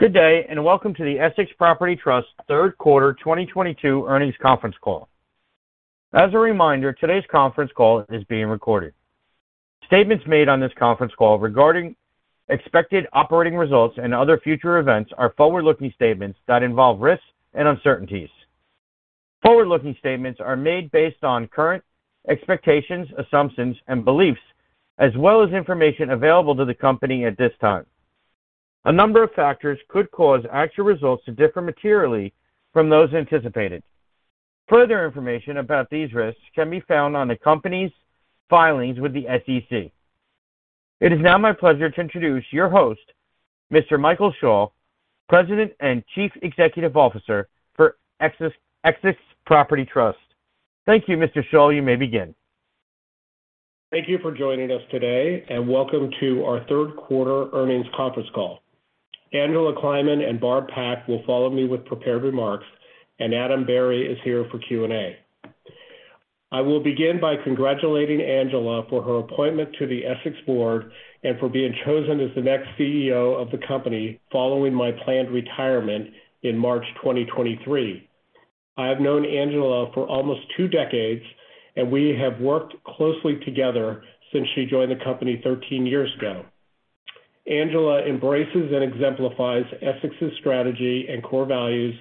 Good day, and welcome to the Essex Property Trust third quarter 2022 earnings conference call. As a reminder, today's conference call is being recorded. Statements made on this conference call regarding expected operating results and other future events are forward-looking statements that involve risks and uncertainties. Forward-looking statements are made based on current expectations, assumptions, and beliefs, as well as information available to the company at this time. A number of factors could cause actual results to differ materially from those anticipated. Further information about these risks can be found on the company's filings with the SEC. It is now my pleasure to introduce your host, Mr. Michael Schall, President and Chief Executive Officer for Essex Property Trust. Thank you, Mr. Schall. You may begin. Thank you for joining us today, and welcome to our third quarter earnings conference call. Angela Kleiman and Barb M. Pak will follow me with prepared remarks, and Adam Berry is here for Q&A. I will begin by congratulating Angela for her appointment to the Essex board and for being chosen as the next CEO of the company following my planned retirement in March 2023. I have known Angela for almost two decades, and we have worked closely together since she joined the company 13 years ago. Angela embraces and exemplifies Essex's strategy and core values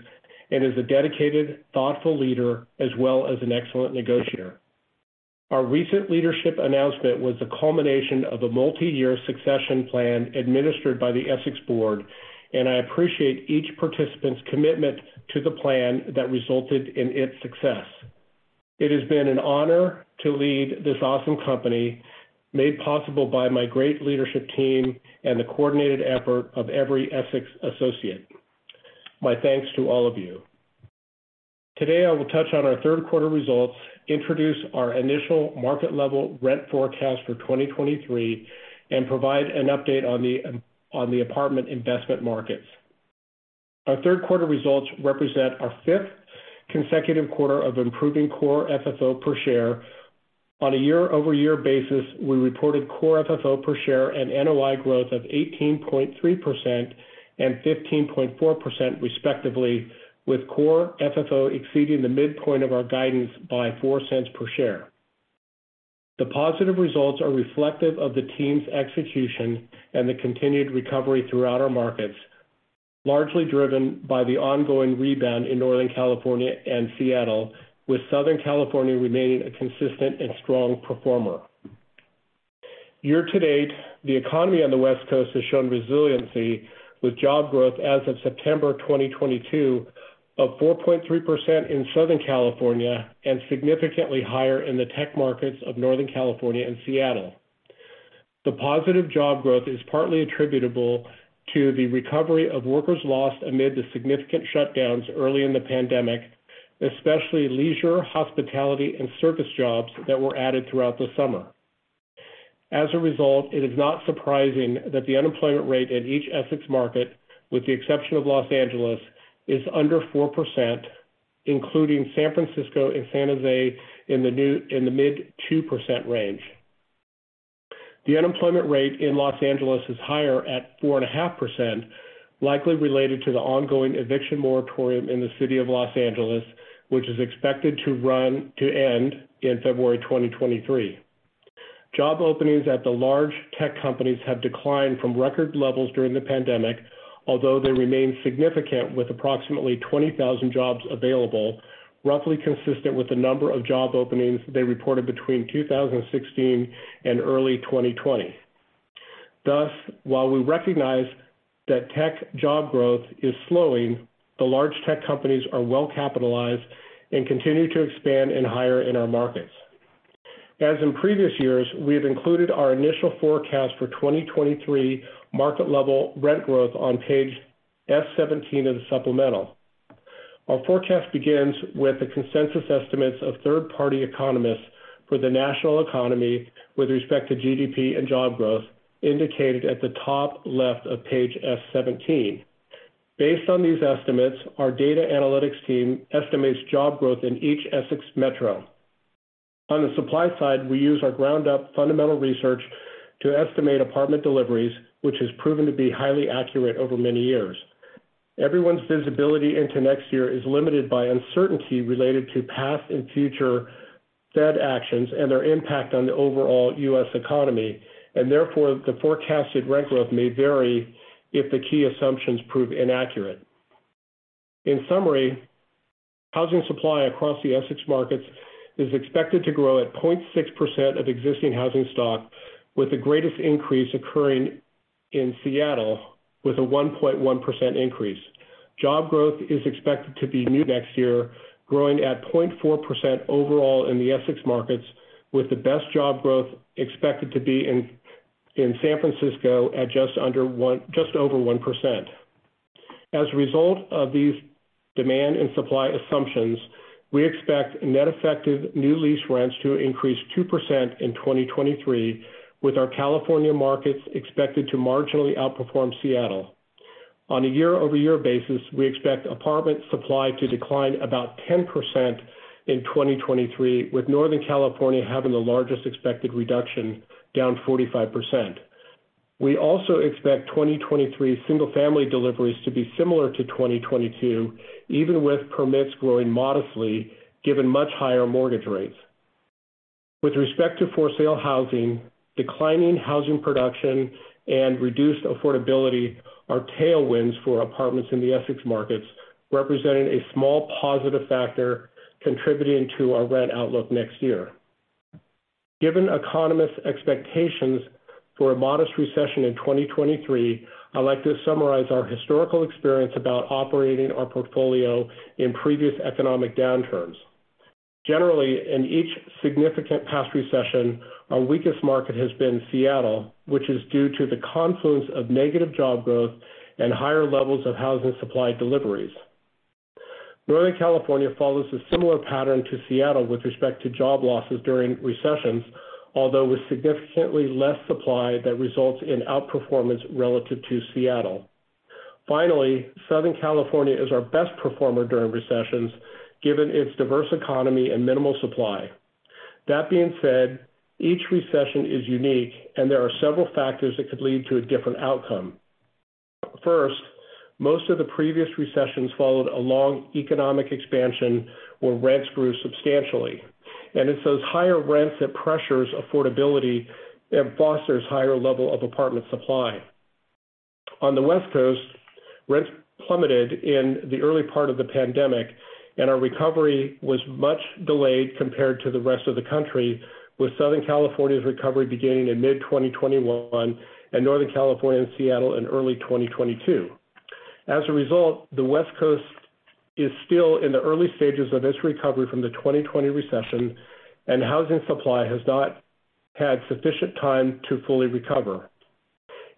and is a dedicated, thoughtful leader as well as an excellent negotiator. Our recent leadership announcement was the culmination of a multi-year succession plan administered by the Essex board, and I appreciate each participant's commitment to the plan that resulted in its success. It has been an honor to lead this awesome company, made possible by my great leadership team and the coordinated effort of every Essex associate. My thanks to all of you. Today, I will touch on our third quarter results, introduce our initial market level rent forecast for 2023, and provide an update on the apartment investment markets. Our third quarter results represent our fifth consecutive quarter of improving Core FFO per share. On a year-over-year basis, we reported Core FFO per share and NOI growth of 18.3% and 15.4% respectively, with Core FFO exceeding the midpoint of our guidance by $0.04 per share. The positive results are reflective of the team's execution and the continued recovery throughout our markets, largely driven by the ongoing rebound in Northern California and Seattle, with Southern California remaining a consistent and strong performer. Year to date, the economy on the West Coast has shown resiliency, with job growth as of September 2022 of 4.3% in Southern California and significantly higher in the tech markets of Northern California and Seattle. The positive job growth is partly attributable to the recovery of workers lost amid the significant shutdowns early in the pandemic, especially leisure, hospitality, and service jobs that were added throughout the summer. As a result, it is not surprising that the unemployment rate in each Essex market, with the exception of Los Angeles, is under 4%, including San Francisco and San Jose in the mid 2% range. The unemployment rate in Los Angeles is higher at 4.5%, likely related to the ongoing eviction moratorium in the city of Los Angeles, which is expected to run to end in February 2023. Job openings at the large tech companies have declined from record levels during the pandemic, although they remain significant with approximately 20,000 jobs available, roughly consistent with the number of job openings they reported between 2016 and early 2020. Thus, while we recognize that tech job growth is slowing, the large tech companies are well-capitalized and continue to expand and hire in our markets. As in previous years, we have included our initial forecast for 2023 market level rent growth on page S17 of the supplemental. Our forecast begins with the consensus estimates of third-party economists for the national economy with respect to GDP and job growth indicated at the top left of page S-17. Based on these estimates, our data analytics team estimates job growth in each Essex metro. On the supply side, we use our ground-up fundamental research to estimate apartment deliveries, which has proven to be highly accurate over many years. Everyone's visibility into next year is limited by uncertainty related to past and future Fed actions and their impact on the overall U.S. economy. Therefore, the forecasted rent growth may vary if the key assumptions prove inaccurate. In summary, housing supply across the Essex markets is expected to grow at 0.6% of existing housing stock, with the greatest increase occurring in Seattle, with a 1.1% increase. Job growth is expected to be new next year, growing at 0.4% overall in the Essex markets, with the best job growth expected to be in San Francisco at just over 1%. As a result of these demand and supply assumptions, we expect net effective new lease rents to increase 2% in 2023, with our California markets expected to marginally outperform Seattle. On a year-over-year basis, we expect apartment supply to decline about 10% in 2023, with Northern California having the largest expected reduction, down 45%. We also expect 2023 single-family deliveries to be similar to 2022, even with permits growing modestly given much higher mortgage rates. With respect to for-sale housing, declining housing production and reduced affordability are tailwinds for apartments in the Essex markets, representing a small positive factor contributing to our rent outlook next year. Given economists' expectations for a modest recession in 2023, I'd like to summarize our historical experience about operating our portfolio in previous economic downturns. Generally, in each significant past recession, our weakest market has been Seattle, which is due to the confluence of negative job growth and higher levels of housing supply deliveries. Northern California follows a similar pattern to Seattle with respect to job losses during recessions, although with significantly less supply that results in outperformance relative to Seattle. Finally, Southern California is our best performer during recessions given its diverse economy and minimal supply. That being said, each recession is unique, and there are several factors that could lead to a different outcome. First, most of the previous recessions followed a long economic expansion where rents grew substantially, and it's those higher rents that pressures affordability and fosters higher level of apartment supply. On the West Coast, rents plummeted in the early part of the pandemic, and our recovery was much delayed compared to the rest of the country, with Southern California's recovery beginning in mid-2021 and Northern California and Seattle in early 2022. As a result, the West Coast is still in the early stages of its recovery from the 2020 recession, and housing supply has not had sufficient time to fully recover.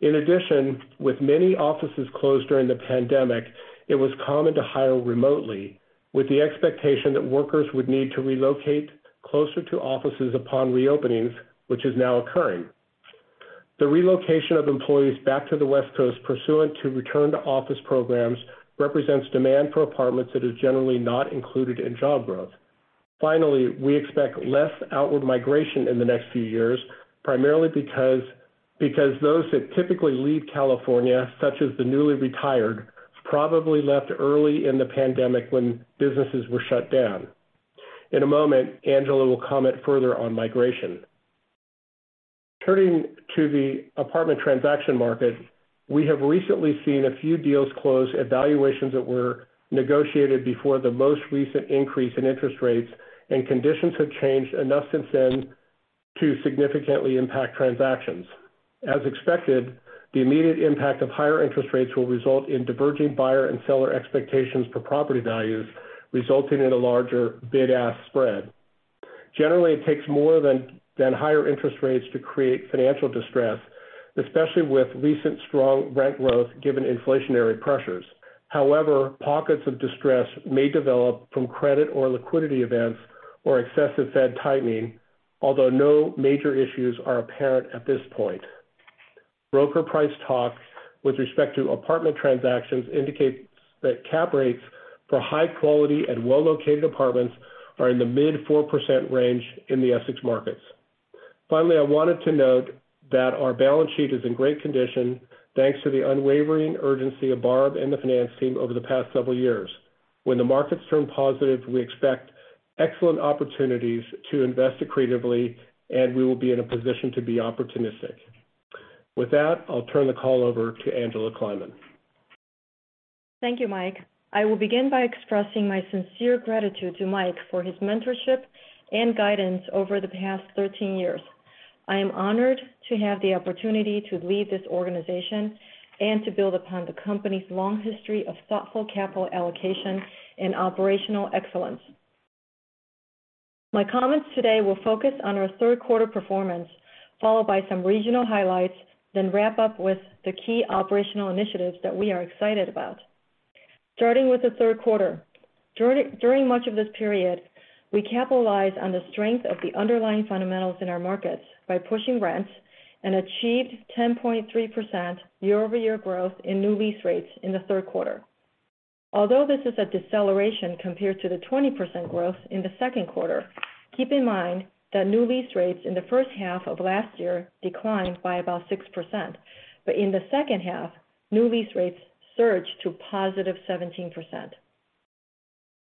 In addition, with many offices closed during the pandemic, it was common to hire remotely with the expectation that workers would need to relocate closer to offices upon re-openings, which is now occurring. The relocation of employees back to the West Coast pursuant to return-to-office programs represents demand for apartments that is generally not included in job growth. Finally, we expect less outward migration in the next few years, primarily because those that typically leave California, such as the newly retired, probably left early in the pandemic when businesses were shut down. In a moment, Angela will comment further on migration. Turning to the apartment transaction market, we have recently seen a few deals close at valuations that were negotiated before the most recent increase in interest rates, and conditions have changed enough since then to significantly impact transactions. As expected, the immediate impact of higher interest rates will result in diverging buyer and seller expectations for property values, resulting in a larger bid-ask spread. Generally, it takes more than higher interest rates to create financial distress, especially with recent strong rent growth given inflationary pressures. However, pockets of distress may develop from credit or liquidity events or excessive Fed tightening, although no major issues are apparent at this point. Broker price talks with respect to apartment transactions indicate that cap rates for high quality and well-located apartments are in the mid-4% range in the Essex markets. Finally, I wanted to note that our balance sheet is in great condition, thanks to the unwavering urgency of Barb and the finance team over the past several years. When the markets turn positive, we expect excellent opportunities to invest accretively, and we will be in a position to be opportunistic. With that, I'll turn the call over to Angela Kleiman. Thank you, Mike. I will begin by expressing my sincere gratitude to Mike for his mentorship and guidance over the past 13 years. I am honored to have the opportunity to lead this organization and to build upon the company's long history of thoughtful capital allocation and operational excellence. My comments today will focus on our third quarter performance, followed by some regional highlights, then wrap up with the key operational initiatives that we are excited about. Starting with the third quarter. During much of this period, we capitalized on the strength of the underlying fundamentals in our markets by pushing rents and achieved 10.3% year-over-year growth in new lease rates in the third quarter. Although this is a deceleration compared to the 20% growth in the second quarter, keep in mind that new lease rates in the first half of last year declined by about 6%. In the second half, new lease rates surged to positive 17%.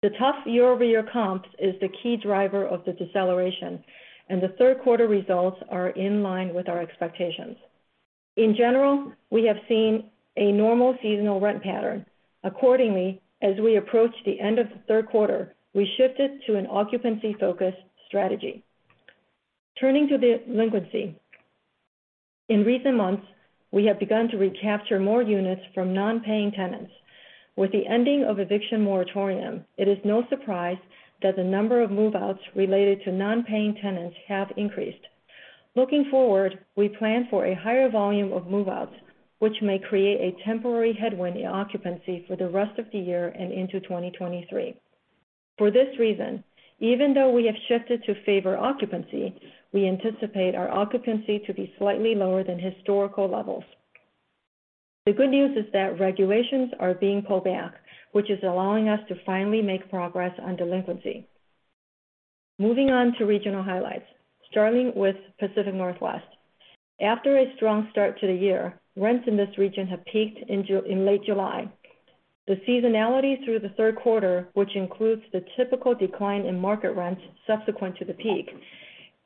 The tough year-over-year comps is the key driver of the deceleration, and the third quarter results are in line with our expectations. In general, we have seen a normal seasonal rent pattern. Accordingly, as we approach the end of the third quarter, we shifted to an occupancy-focused strategy. Turning to the delinquency. In recent months, we have begun to recapture more units from non-paying tenants. With the ending of eviction moratorium, it is no surprise that the number of move-outs related to non-paying tenants have increased. Looking forward, we plan for a higher volume of move-outs, which may create a temporary head-wind in occupancy for the rest of the year and into 2023. For this reason, even though we have shifted to favor occupancy, we anticipate our occupancy to be slightly lower than historical levels. The good news is that regulations are being pulled back, which is allowing us to finally make progress on delinquency. Moving on to regional highlights, starting with Pacific Northwest. After a strong start to the year, rents in this region have peaked in late July. The seasonality through the third quarter, which includes the typical decline in market rents subsequent to the peak,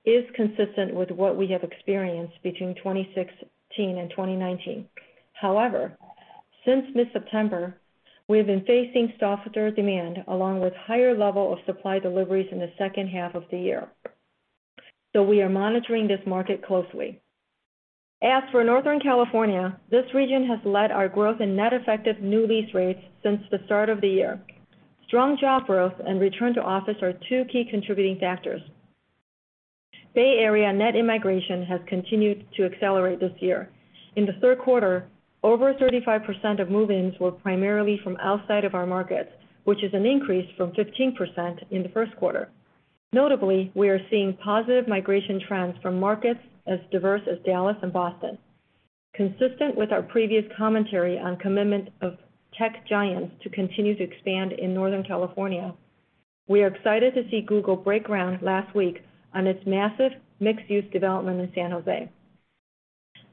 is consistent with what we have experienced between 2016 and 2019. However, since mid-September, we have been facing softer demand along with higher level of supply deliveries in the second half of the year. We are monitoring this market closely. As for Northern California, this region has led our growth in net effective new lease rates since the start of the year. Strong job growth and return to office are two key contributing factors. Bay Area net immigration has continued to accelerate this year. In the third quarter, over 35% of move-ins were primarily from outside of our markets, which is an increase from 15% in the first quarter. Notably, we are seeing positive migration trends from markets as diverse as Dallas and Boston. Consistent with our previous commentary on commitment of tech giants to continue to expand in Northern California, we are excited to see Google break ground last week on its massive mixed-use development in San Jose.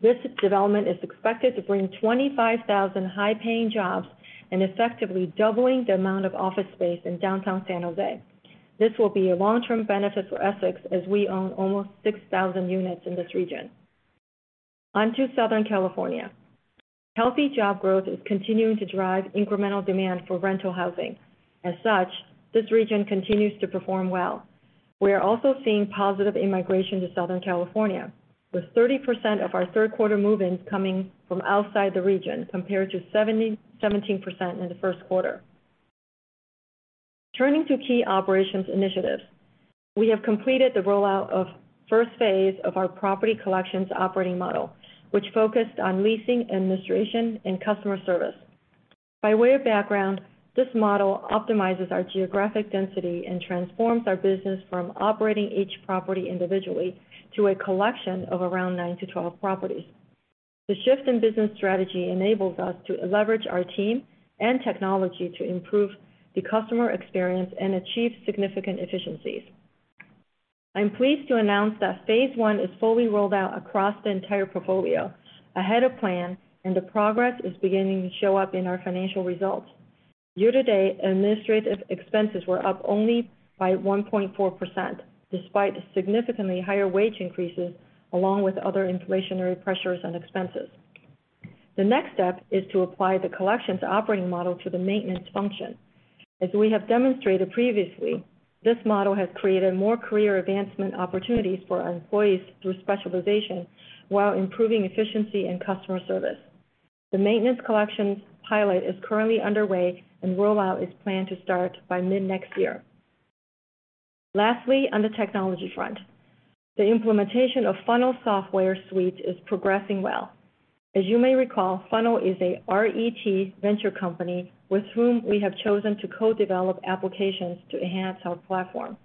This development is expected to bring 25,000 high-paying jobs and effectively doubling the amount of office space in downtown San Jose. This will be a long-term benefit for Essex as we own almost 6,000 units in this region. On to Southern California. Healthy job growth is continuing to drive incremental demand for rental housing. As such, this region continues to perform well. We are also seeing positive immigration to Southern California, with 30% of our third quarter move-ins coming from outside the region, compared to 17% in the first quarter. Turning to key operations initiatives. We have completed the rollout of first phase of our property collections operating model, which focused on leasing, administration, and customer service. By way of background, this model optimizes our geographic density and transforms our business from operating each property individually to a collection of around 9-12 properties. The shift in business strategy enables us to leverage our team and technology to improve the customer experience and achieve significant efficiencies. I'm pleased to announce that phase one is fully rolled out across the entire portfolio ahead of plan, and the progress is beginning to show up in our financial results. Year to date, administrative expenses were up only by 1.4%, despite significantly higher wage increases along with other inflationary pressures and expenses. The next step is to apply the collections operating model to the maintenance function. As we have demonstrated previously, this model has created more career advancement opportunities for our employees through specialization while improving efficiency and customer service. The maintenance collections pilot is currently underway, and rollout is planned to start by mid-next year. Lastly, on the technology front, the implementation of Funnel software suite is progressing well. As you may recall, Funnel is a RET Ventures company with whom we have chosen to co-develop applications to enhance our platform.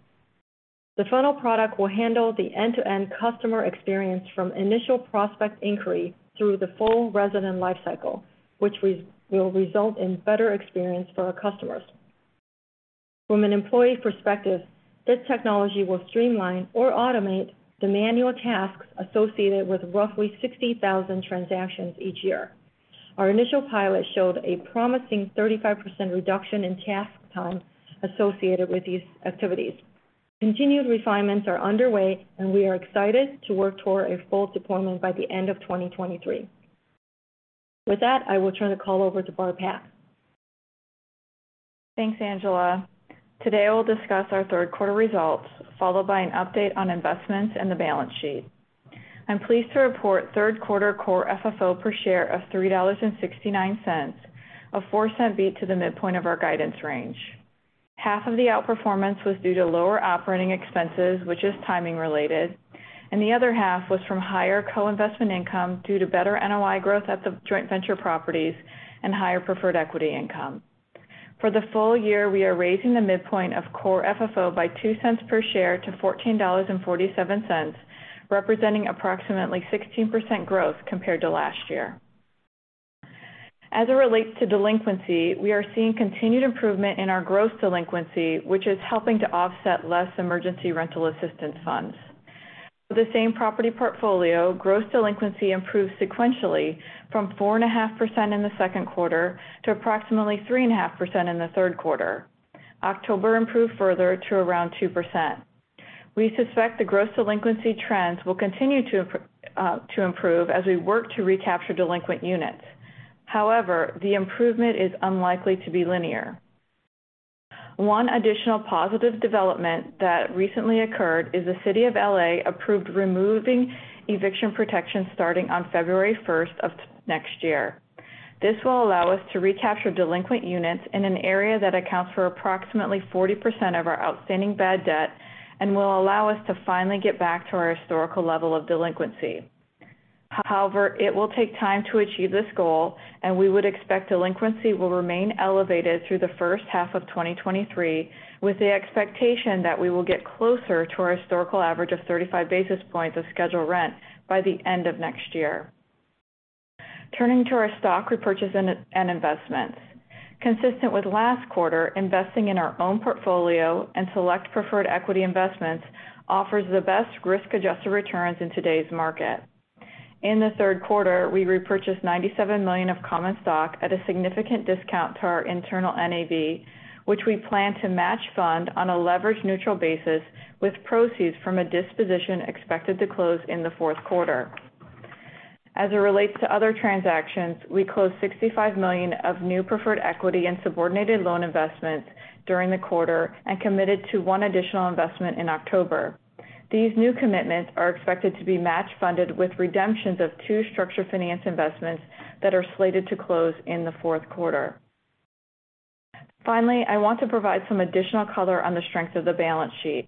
The Funnel product will handle the end-to-end customer experience from initial prospect inquiry through the full resident life cycle, which will result in better experience for our customers. From an employee perspective, this technology will streamline or automate the manual tasks associated with roughly 60,000 transactions each year. Our initial pilot showed a promising 35% reduction in task time associated with these activities. Continued refinements are underway, and we are excited to work toward a full deployment by the end of 2023. With that, I will turn the call over to Barb M. Pak. Thanks, Angela. Today, I will discuss our third quarter results, followed by an update on investments and the balance sheet. I'm pleased to report third quarter Core FFO per share of $3.69, a $0.04 beat to the midpoint of our guidance range. Half of the outperformance was due to lower operating expenses, which is timing related, and the other half was from higher co-investment income due to better NOI growth at the joint venture properties and higher preferred equity income. For the full year, we are raising the midpoint of Core FFO by $0.02 per share to $14.47, representing approximately 16% growth compared to last year. As it relates to delinquency, we are seeing continued improvement in our gross delinquency, which is helping to offset less Emergency Rental Assistance funds. For the same property portfolio, gross delinquency improved sequentially from 4.5% in the second quarter to approximately 3.5% in the third quarter. October improved further to around 2%. We suspect the gross delinquency trends will continue to improve as we work to recapture delinquent units. However, the improvement is unlikely to be linear. One additional positive development that recently occurred is the city of L.A. approved removing eviction protection starting on February first of next year. This will allow us to recapture delinquent units in an area that accounts for approximately 40% of our outstanding bad debt and will allow us to finally get back to our historical level of delinquency. However, it will take time to achieve this goal, and we would expect delinquency will remain elevated through the first half of 2023, with the expectation that we will get closer to our historical average of 35 basis points of scheduled rent by the end of next year. Turning to our stock repurchase and investments. Consistent with last quarter, investing in our own portfolio and select preferred equity investments offers the best risk-adjusted returns in today's market. In the third quarter, we repurchased $97 million of common stock at a significant discount to our internal NAV, which we plan to match fund on a leverage neutral basis with proceeds from a disposition expected to close in the fourth quarter. As it relates to other transactions, we closed $65 million of new preferred equity and subordinated loan investments during the quarter and committed to one additional investment in October. These new commitments are expected to be match funded with redemptions of two structured finance investments that are slated to close in the fourth quarter. Finally, I want to provide some additional color on the strength of the balance sheet.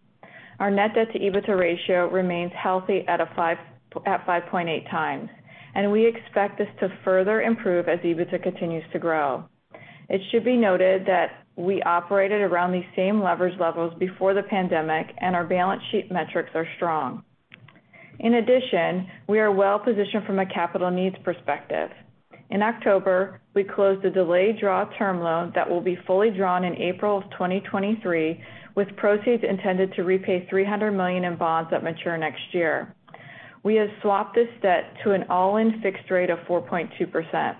Our net debt to EBITDA ratio remains healthy at 5.8x, and we expect this to further improve as EBITDA continues to grow. It should be noted that we operated around these same leverage levels before the pandemic, and our balance sheet metrics are strong. In addition, we are well positioned from a capital needs perspective. In October, we closed a delayed draw term loan that will be fully drawn in April 2023, with proceeds intended to repay $300 million in bonds that mature next year. We have swapped this debt to an all-in fixed rate of 4.2%. As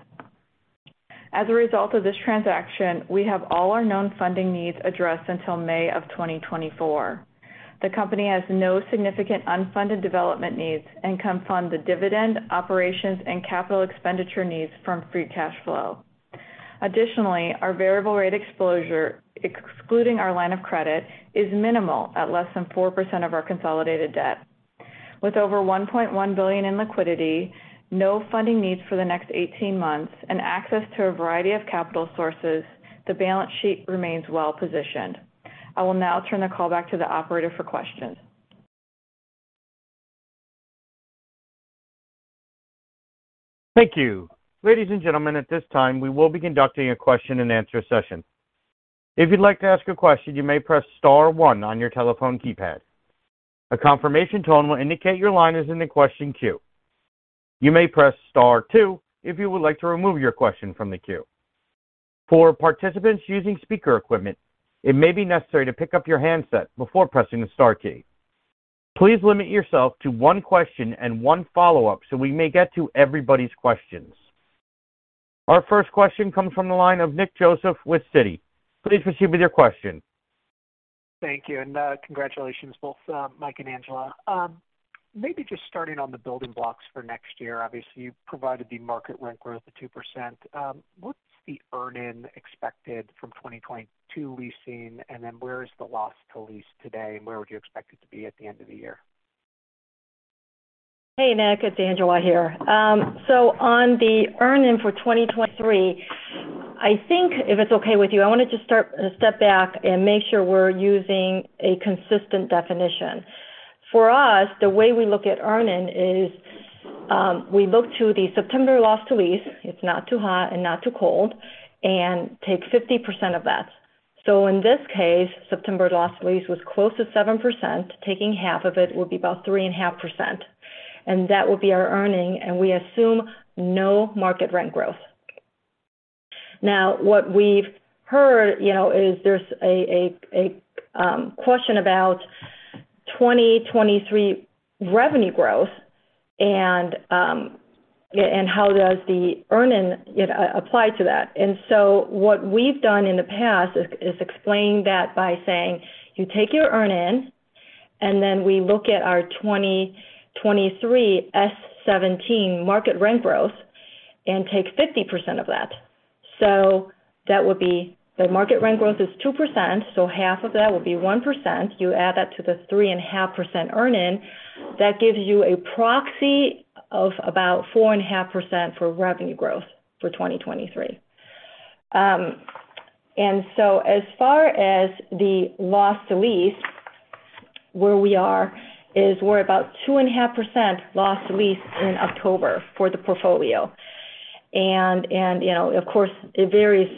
a result of this transaction, we have all our known funding needs addressed until May of 2024. The company has no significant unfunded development needs and can fund the dividend, operations, and capital expenditure needs from free cash flow. Additionally, our variable rate exposure, excluding our line of credit, is minimal at less than 4% of our consolidated debt. With over $1.1 billion in liquidity, no funding needs for the next 18 months, and access to a variety of capital sources, the balance sheet remains well positioned. I will now turn the call back to the operator for questions. Thank you. Ladies and gentlemen, at this time, we will be conducting a question-and-answer session. If you'd like to ask a question, you may press star one on your telephone keypad. A confirmation tone will indicate your line is in the question queue. You may press star two if you would like to remove your question from the queue. For participants using speaker equipment, it may be necessary to pick up your handset before pressing the star key. Please limit yourself to one question and one follow-up so we may get to everybody's questions. Our first question comes from the line of Nick Joseph with Citi. Please proceed with your question. Thank you, and congratulations both, Mike and Angela. Maybe just starting on the building blocks for next year. Obviously, you provided the market rent growth of 2%. What's the earn-in expected from 2022 leasing? And then where is the loss to lease today? And where would you expect it to be at the end of the year? Hey, Nick. It's Angela here. On the earn-in for 2023, I think if it's okay with you, I want to just step back and make sure we're using a consistent definition. For us, the way we look at earn-in is, we look to the September loss to lease. It's not too hot and not too cold, and take 50% of that. In this case, September loss to lease was close to 7%. Taking half of it would be about 3.5%, and that will be our earn-in, and we assume no market rent growth. What we've heard, you know, is there's a question about 2023 revenue growth and, yeah, and how does the earn-in, you know, apply to that. What we've done in the past is explain that by saying, you take your earn-in, and then we look at our 2023 S17 market rent growth and take 50% of that. That would be the market rent growth is 2%, so half of that would be 1%. You add that to the 3.5% earn-in, that gives you a proxy of about 4.5% for revenue growth for 2023. As far as the loss to lease, where we are is we're about 2.5% loss to lease in October for the portfolio. You know, of course, it varies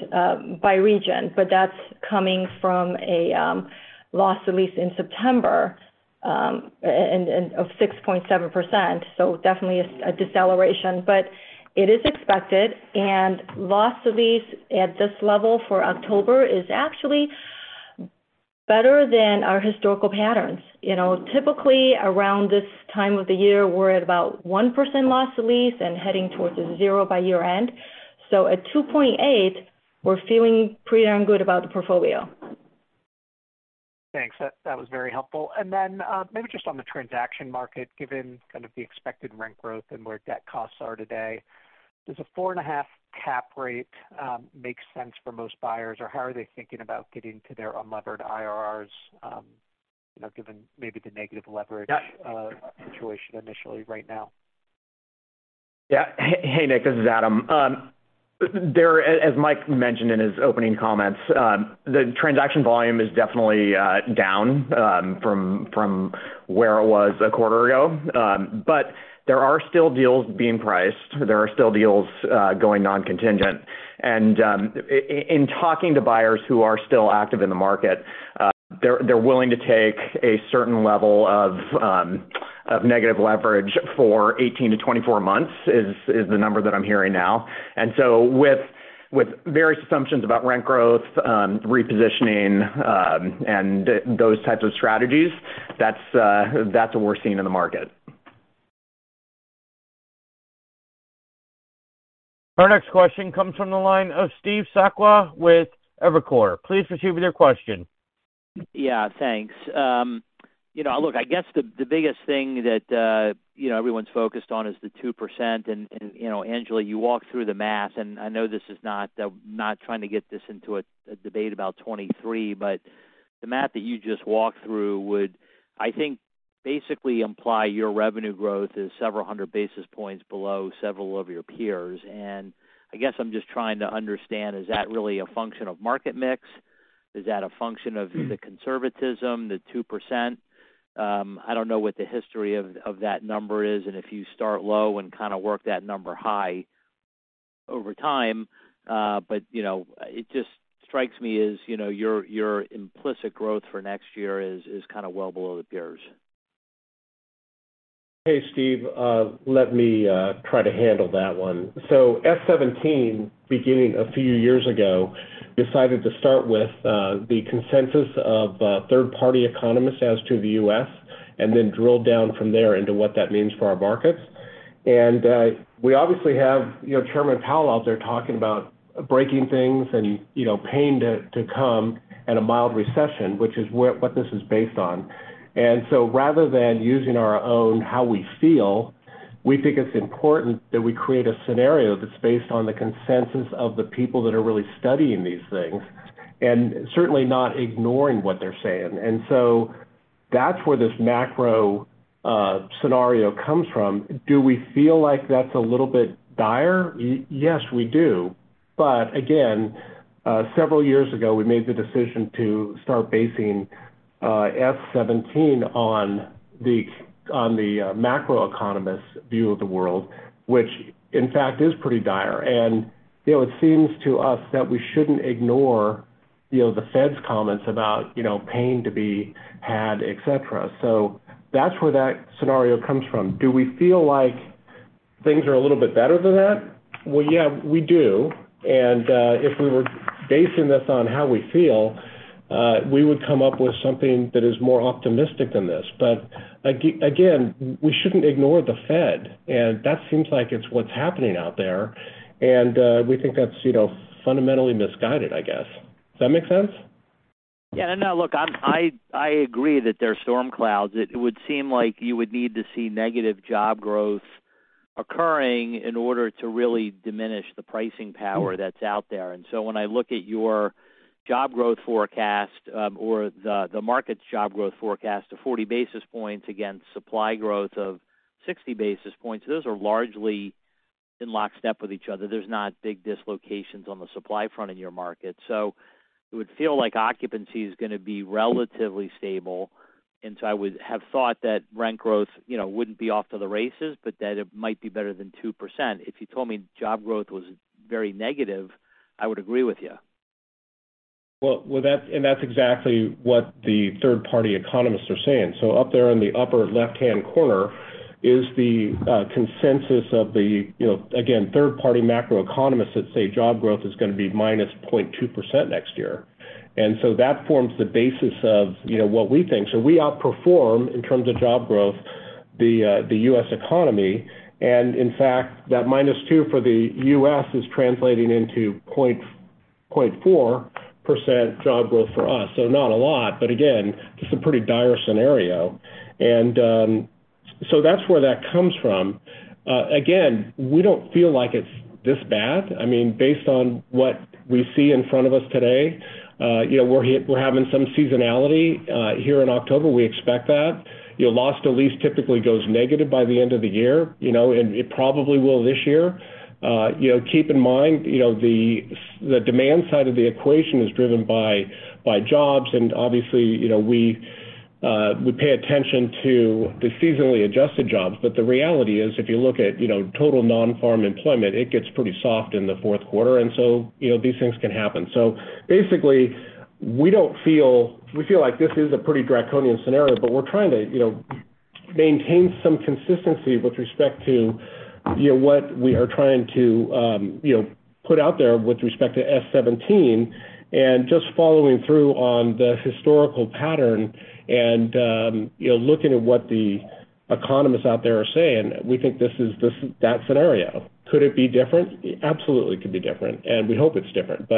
by region, but that's coming from a loss to lease in September and of 6.7%. Definitely a deceleration, but it is expected. Loss to lease at this level for October is actually better than our historical patterns. You know, typically around this time of the year, we're at about 1% loss to lease and heading towards 0% by year-end. At 2.8%, we're feeling pretty damn good about the portfolio. Thanks. That was very helpful. Maybe just on the transaction market, given kind of the expected rent growth and where debt costs are today, does a 4.5 cap rate make sense for most buyers? Or how are they thinking about getting to their unlevered IRRs, you know, given maybe the negative leverage situation initially right now? Yeah. Hey, Nick, this is Adam. As Mike mentioned in his opening comments, the transaction volume is definitely down from where it was a quarter ago. There are still deals being priced. There are still deals going non-contingent. In talking to buyers who are still active in the market, they're willing to take a certain level of negative leverage for 18-24 months, is the number that I'm hearing now. With various assumptions about rent growth, repositioning, and those types of strategies, that's what we're seeing in the market. Our next question comes from the line of Steve Sakwa with Evercore. Please proceed with your question. Yeah, thanks. You know, look, I guess the biggest thing that you know, everyone's focused on is the 2%, and you know, Angela, you walk through the math, and I know this is not trying to get this into a debate about 2023, but the math that you just walked through would, I think, basically imply your revenue growth is several hundred basis points below several of your peers. I guess I'm just trying to understand, is that really a function of market mix? Is that a function of the conservatism, the 2%? I don't know what the history of that number is, and if you start low and kinda work that number high over time. you know, it just strikes me as, you know, your implicit growth for next year is kinda well below the peers. Hey, Steve, let me try to handle that one. S-17, beginning a few years ago, decided to start with the consensus of third-party economists as to the U.S., and then drill down from there into what that means for our markets. We obviously have, you know, Jerome Powell out there talking about breaking things and, you know, pain to come at a mild recession, which is what this is based on. Rather than using our own how we feel, we think it's important that we create a scenario that's based on the consensus of the people that are really studying these things, and certainly not ignoring what they're saying. That's where this macro scenario comes from. Do we feel like that's a little bit dire? Yes, we do. Again, several years ago, we made the decision to start basing S-17 on the macroeconomists' view of the world, which in fact is pretty dire. You know, it seems to us that we shouldn't ignore, you know, the Fed's comments about, you know, pain to be had, et cetera. That's where that scenario comes from. Do we feel like things are a little bit better than that? Well, yeah, we do. If we were basing this on how we feel, we would come up with something that is more optimistic than this. Again, we shouldn't ignore the Fed, and that seems like it's what's happening out there, and we think that's, you know, fundamentally misguided, I guess. Does that make sense? Yeah. No, look, I agree that there are storm clouds. It would seem like you would need to see negative job growth occurring in order to really diminish the pricing power that's out there. When I look at your job growth forecast, or the market's job growth forecast of 40 basis points against supply growth of 60 basis points, those are largely in lockstep with each other. There's not big dislocations on the supply front in your market. It would feel like occupancy is gonna be relatively stable, and so I would have thought that rent growth, you know, wouldn't be off to the races, but that it might be better than 2%. If you told me job growth was very negative, I would agree with you. Well, that's exactly what the third-party economists are saying. Up there on the upper left-hand corner is the consensus of the, you know, again, third-party macroeconomists that say job growth is gonna be -0.2% next year. That forms the basis of, you know, what we think. We outperform, in terms of job growth, the U.S. economy. In fact, that -2% for the U.S. is translating into 0.4% job growth for us. Not a lot, but again, this is a pretty dire scenario. That's where that comes from. Again, we don't feel like it's this bad. I mean, based on what we see in front of us today, you know, we're having some seasonality here in October. We expect that. You know, loss to lease typically goes negative by the end of the year, you know, and it probably will this year. You know, keep in mind, you know, the demand side of the equation is driven by jobs, and obviously, you know, we pay attention to the seasonally adjusted jobs. The reality is, if you look at, you know, total non-farm employment, it gets pretty soft in the fourth quarter, and so, you know, these things can happen. Basically, we feel like this is a pretty draconian scenario, but we're trying to, you know, maintain some consistency with respect to, you know, what we are trying to, you know, put out there with respect to S-17. Just following through on the historical pattern and, you know, looking at what the economists out there are saying, we think this is that scenario. Could it be different? Absolutely, it could be different, and we hope it's different.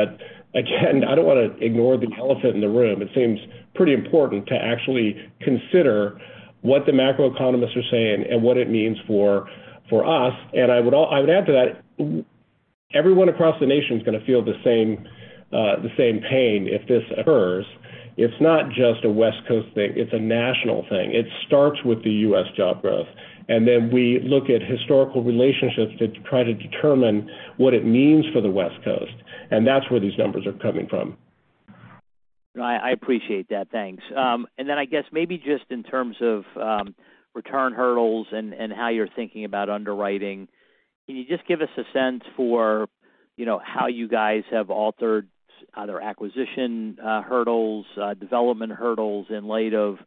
Again, I don't wanna ignore the elephant in the room. It seems pretty important to actually consider what the macroeconomists are saying and what it means for us. I would add to that, everyone across the nation is gonna feel the same pain if this occurs. It's not just a West Coast thing, it's a national thing. It starts with the U.S. job growth, and then we look at historical relationships to try to determine what it means for the West Coast, and that's where these numbers are coming from. No, I appreciate that. Thanks. I guess maybe just in terms of return hurdles and how you're thinking about underwriting, can you just give us a sense for, you know, how you guys have altered either acquisition hurdles, development hurdles in light of,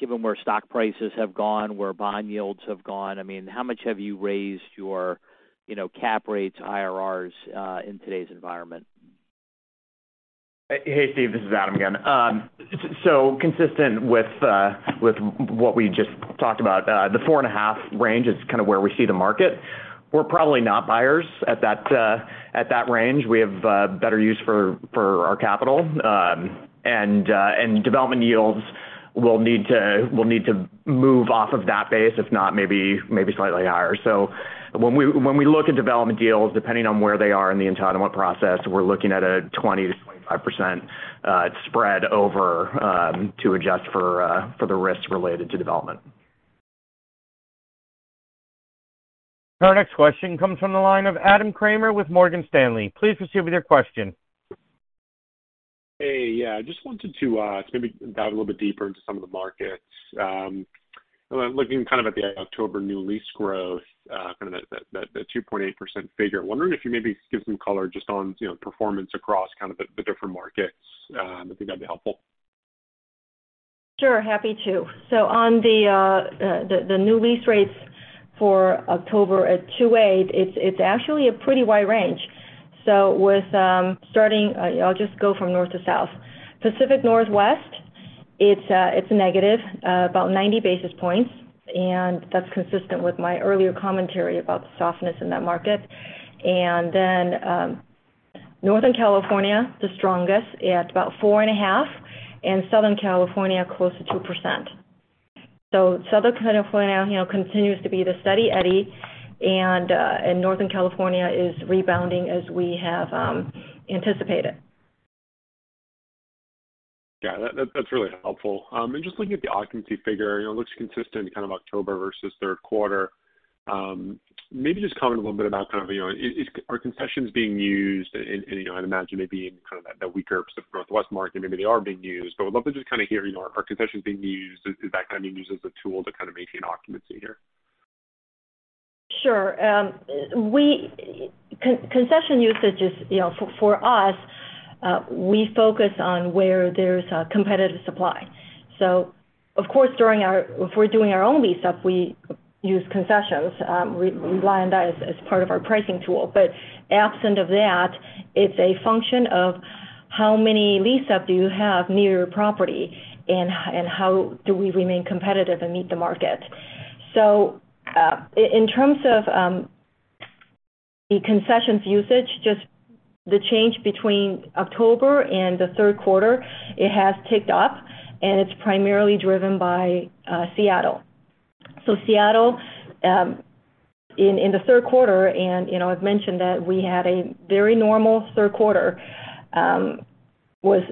given where stock prices have gone, where bond yields have gone? I mean, how much have you raised your, you know, cap rates, IRRs in today's environment? Hey, Steve, this is Adam again. Consistent with what we just talked about, the 4.5 range is kind of where we see the market. We're probably not buyers at that range. We have better use for our capital. Development yields will need to move off of that base, if not maybe slightly higher. When we look at development deals, depending on where they are in the entitlement process, we're looking at a 20%-25% spread over to adjust for the risks related to development. Our next question comes from the line of Adam Kramer with Morgan Stanley. Please proceed with your question. Hey, yeah, just wanted to maybe dive a little bit deeper into some of the markets. Looking kind of at the October new lease growth, kind of the 2.8% figure. Wondering if you maybe give some color just on, you know, performance across kind of the different markets. I think that'd be helpful. Sure. Happy to. On the new lease rates for October at 2.8, it's actually a pretty wide range. I'll just go from north to south. Pacific Northwest, it's a negative about 90 basis points, and that's consistent with my earlier commentary about the softness in that market. Then, Northern California, the strongest at about 4.5, and Southern California close to 2%. Southern California, you know, continues to be the steady eddy, and Northern California is rebounding as we have anticipated. Yeah, that's really helpful. Just looking at the occupancy figure, you know, it looks consistent kind of October versus third quarter. Maybe just comment a little bit about kind of, you know, are concessions being used? You know, I'd imagine maybe in kind of that weaker Pacific Northwest market, maybe they are being used. But I'd love to just kind of hear, you know, are concessions being used? Is that kind of being used as a tool to kind of maintain occupancy here? Sure. Concession usage is, you know, for us, we focus on where there's competitive supply. If we're doing our own lease up, we use concessions. We rely on that as part of our pricing tool. Absent of that, it's a function of how many lease up do you have near your property, and how do we remain competitive and meet the market. In terms of the concessions usage, just the change between October and the third quarter, it has ticked up, and it's primarily driven by Seattle. Seattle, in the third quarter, and, you know, I've mentioned that we had a very normal third quarter, was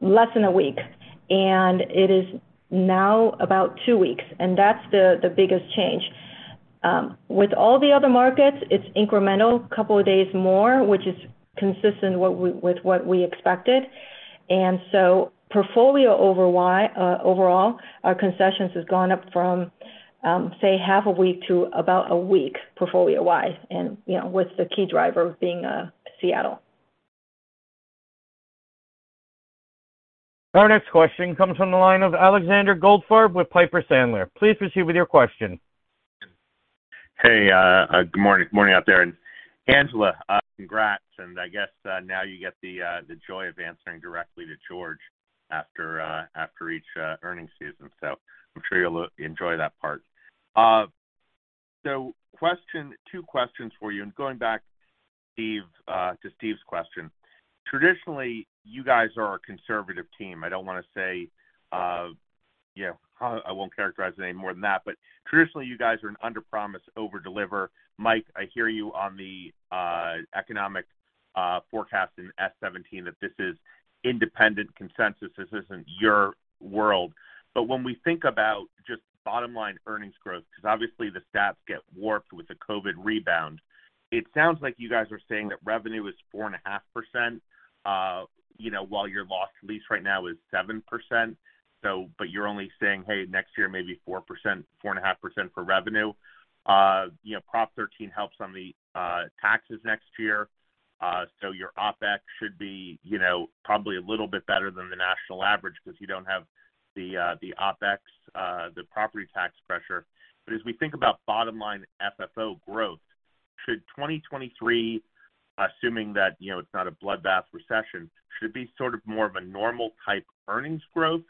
less than a week, and it is now about two weeks. That's the biggest change. With all the other markets, it's incremental, couple of days more, which is consistent with what we expected. Portfolio overall, our concessions has gone up from, say half a week to about a week portfolio-wise. You know, with the key driver being Seattle. Our next question comes from the line of Alexander Goldfarb with Piper Sandler. Please proceed with your question. Hey, good morning. Morning out there. Angela, congrats, and I guess now you get the joy of answering directly to George after each earnings season, so I'm sure you'll enjoy that part. So question, two questions for you. Going back, Steve, to Steve's question. Traditionally, you guys are a conservative team. I don't wanna say, you know, I won't characterize any more than that, but traditionally you guys are an under-promise, overdeliver. Mike, I hear you on the economic forecast in S-17, that this is independent consensus. This isn't your world. When we think about just bottom line earnings growth, because obviously the stats get warped with the COVID rebound, it sounds like you guys are saying that revenue is 4.5%, you know, while your loss to lease right now is 7%. You're only saying, hey, next year, maybe 4%, 4.5% for revenue. You know, Proposition 13 helps on the taxes next year. So your OpEx should be, you know, probably a little bit better than the national average because you don't have the OpEx, the property tax pressure. As we think about bottom line FFO growth, should 2023, assuming that, you know, it's not a bloodbath recession, should it be sort of more of a normal type earnings growth?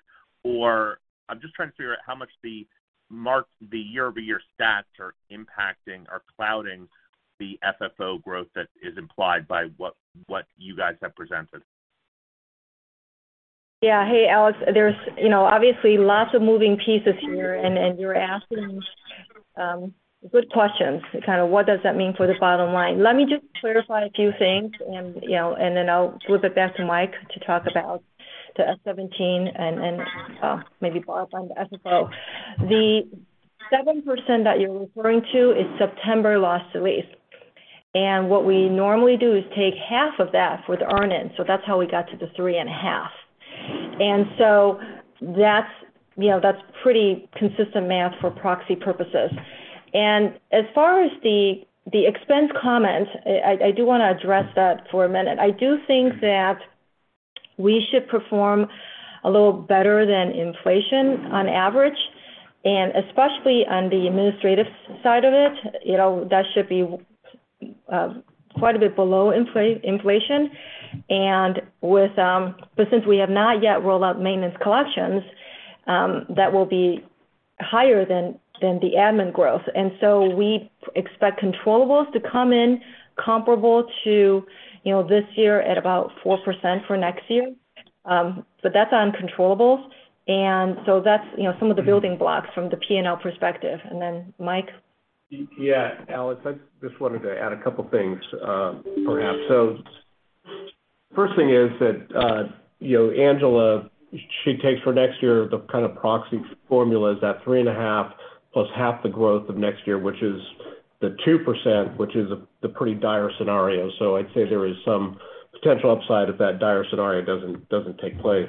I'm just trying to figure out how much the year-over-year stats are impacting or clouding the FFO growth that is implied by what you guys have presented. Yeah. Hey, Alex. There's, you know, obviously lots of moving pieces here, and you're asking good questions, kind of what does that mean for the bottom line? Let me just clarify a few things and, you know, then I'll flip it back to Mike to talk about the S-17 and maybe more up on the FFO. The 7% that you're referring to is September loss to lease. What we normally do is take half of that with earn-in. That's how we got to the 3.5. That's, you know, that's pretty consistent math for proxy purposes. As far as the expense comment, I do wanna address that for a minute. I do think that we should perform a little better than inflation on average, and especially on the administrative side of it, you know, that should be quite a bit below inflation. Since we have not yet rolled out maintenance collections, that will be higher than the admin growth. We expect controllables to come in comparable to this year at about 4% for next year. That's on controllables. That's some of the building blocks from the P&L perspective. Then Mike. Yeah. Angela, I just wanted to add a couple things, perhaps. First thing is that, you know, Angela, she takes for next year, the kind of proxy formula is that +3.5 half the growth of next year, which is the 2%, which is the pretty dire scenario. I'd say there is some potential upside if that dire scenario doesn't take place.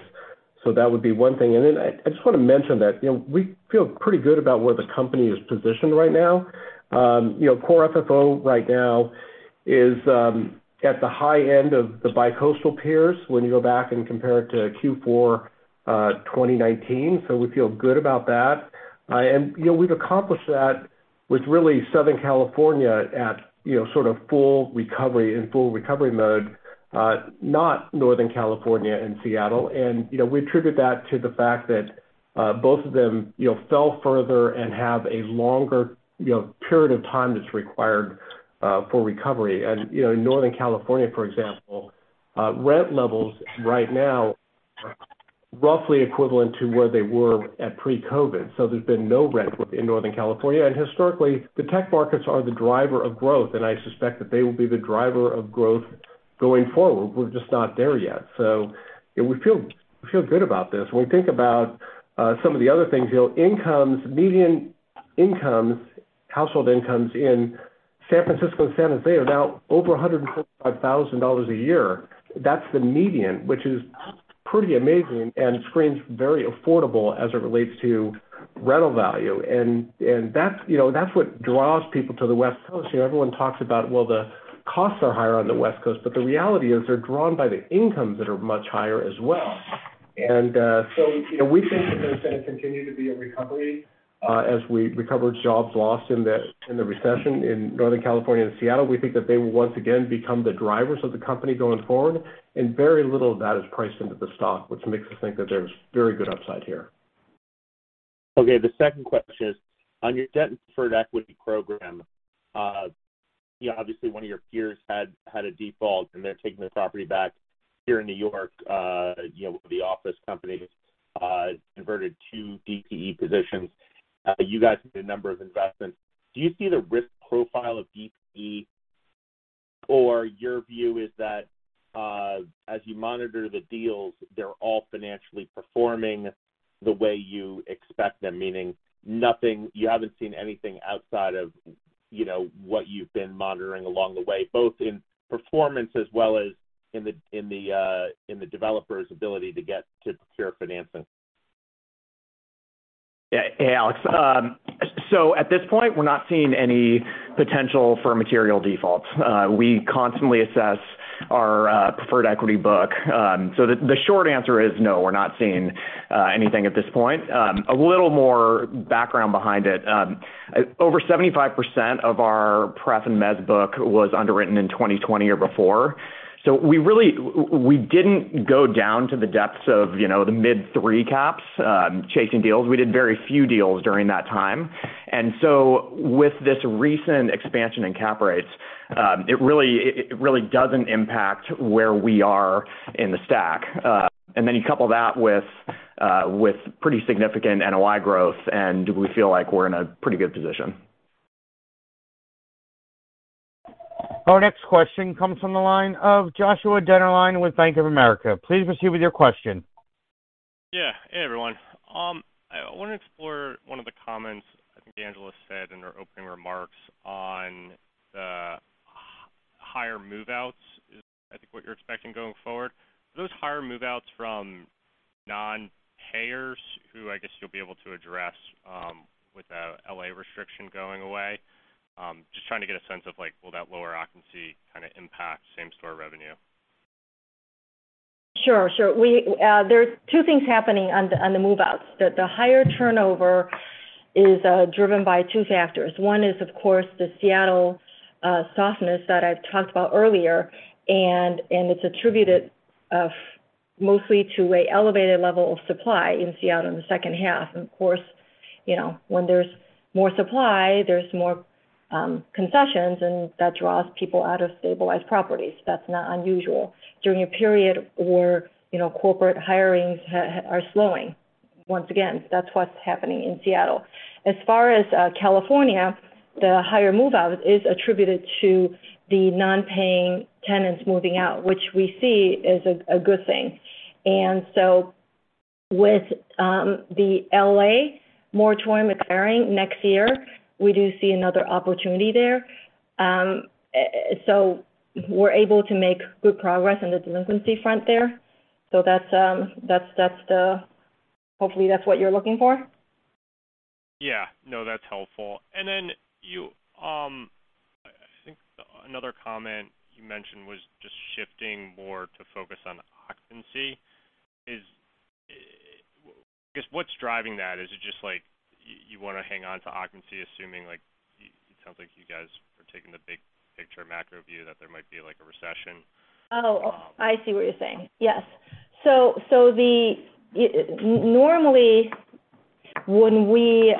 That would be one thing. I just wanna mention that, you know, we feel pretty good about where the company is positioned right now. You know, Core FFO right now is at the high end of the bicoastal peers when you go back and compare it to fourth quarter 2019. We feel good about that. You know, we've accomplished that with really Southern California at, you know, sort of full recovery, in full recovery mode, not Northern California and Seattle. You know, we attribute that to the fact that both of them, you know, fell further and have a longer, you know, period of time that's required for recovery. You know, in Northern California, for example, rent levels right now are roughly equivalent to where they were at pre-COVID. There's been no rent growth in Northern California. Historically, the tech markets are the driver of growth, and I suspect that they will be the driver of growth going forward. We're just not there yet. You know, we feel good about this. When we think about some of the other things, you know, incomes, median incomes, household incomes in San Francisco and San Jose are now over $145,000 a year. That's the median, which is pretty amazing and screens very affordable as it relates to rental value. And that's, you know, that's what draws people to the West Coast. You know, everyone talks about, well, the costs are higher on the West Coast, but the reality is they're drawn by the incomes that are much higher as well. So, you know, we think that there's gonna continue to be a recovery as we recover jobs lost in the recession in Northern California and Seattle. We think that they will once again become the drivers of the company going forward. Very little of that is priced into the stock, which makes us think that there's very good upside here. Okay. The second question is on your debt and preferred equity program. You know, obviously one of your peers had a default, and they're taking the property back here in New York, you know, the office company converted to DPE positions. You guys made a number of investments. Do you see the risk profile of DPE or your view is that, as you monitor the deals, they're all financially performing the way you expect them? Meaning nothing. You haven't seen anything outside of, you know, what you've been monitoring along the way, both in performance as well as in the developer's ability to get to secure financing. Yeah. Hey, Alex. At this point, we're not seeing any potential for material defaults. We constantly assess our preferred equity book. The short answer is no, we're not seeing anything at this point. A little more background behind it. Over 75% of our pref and mezz book was underwritten in 2020 or before. We didn't go down to the depths of, you know, the mid-three cap rates, chasing deals. We did very few deals during that time. With this recent expansion in cap rates, it really doesn't impact where we are in the stack. Then you couple that with pretty significant NOI growth, and we feel like we're in a pretty good position. Our next question comes from the line of Joshua Dennerlein with Bank of America. Please proceed with your question. Yeah. Hey, everyone. I wanna explore one of the comments I think Angela said in her opening remarks on the higher move-outs is I think what you're expecting going forward. Are those higher move-outs from non-payers who I guess you'll be able to address with the L.A. restriction going away? Just trying to get a sense of like, will that lower occupancy kinda impact same-store revenue? Sure. There's two things happening on the move-outs. The higher turn-over is driven by two factors. One is, of course, the Seattle softness that I've talked about earlier, and it's attributed mostly to an elevated level of supply in Seattle in the second half. Of course, you know, when there's more supply, there's more concessions, and that draws people out of stabilized properties. That's not unusual during a period where, you know, corporate hirings are slowing. Once again, that's what's happening in Seattle. As far as California, the higher move-out is attributed to the non-paying tenants moving out, which we see is a good thing. With the LA moratorium expiring next year, we do see another opportunity there. We're able to make good progress on the delinquency front there. That's that. Hopefully that's what you're looking for. Yeah. No, that's helpful. Then you, I think another comment you mentioned was just shifting more to focus on occupancy. I guess what's driving that? Is it just like you wanna hang on to occupancy, assuming, like, it sounds like you guys are taking the big picture macro view that there might be, like, a recession? Oh, I see what you're saying. Yes. So normally when we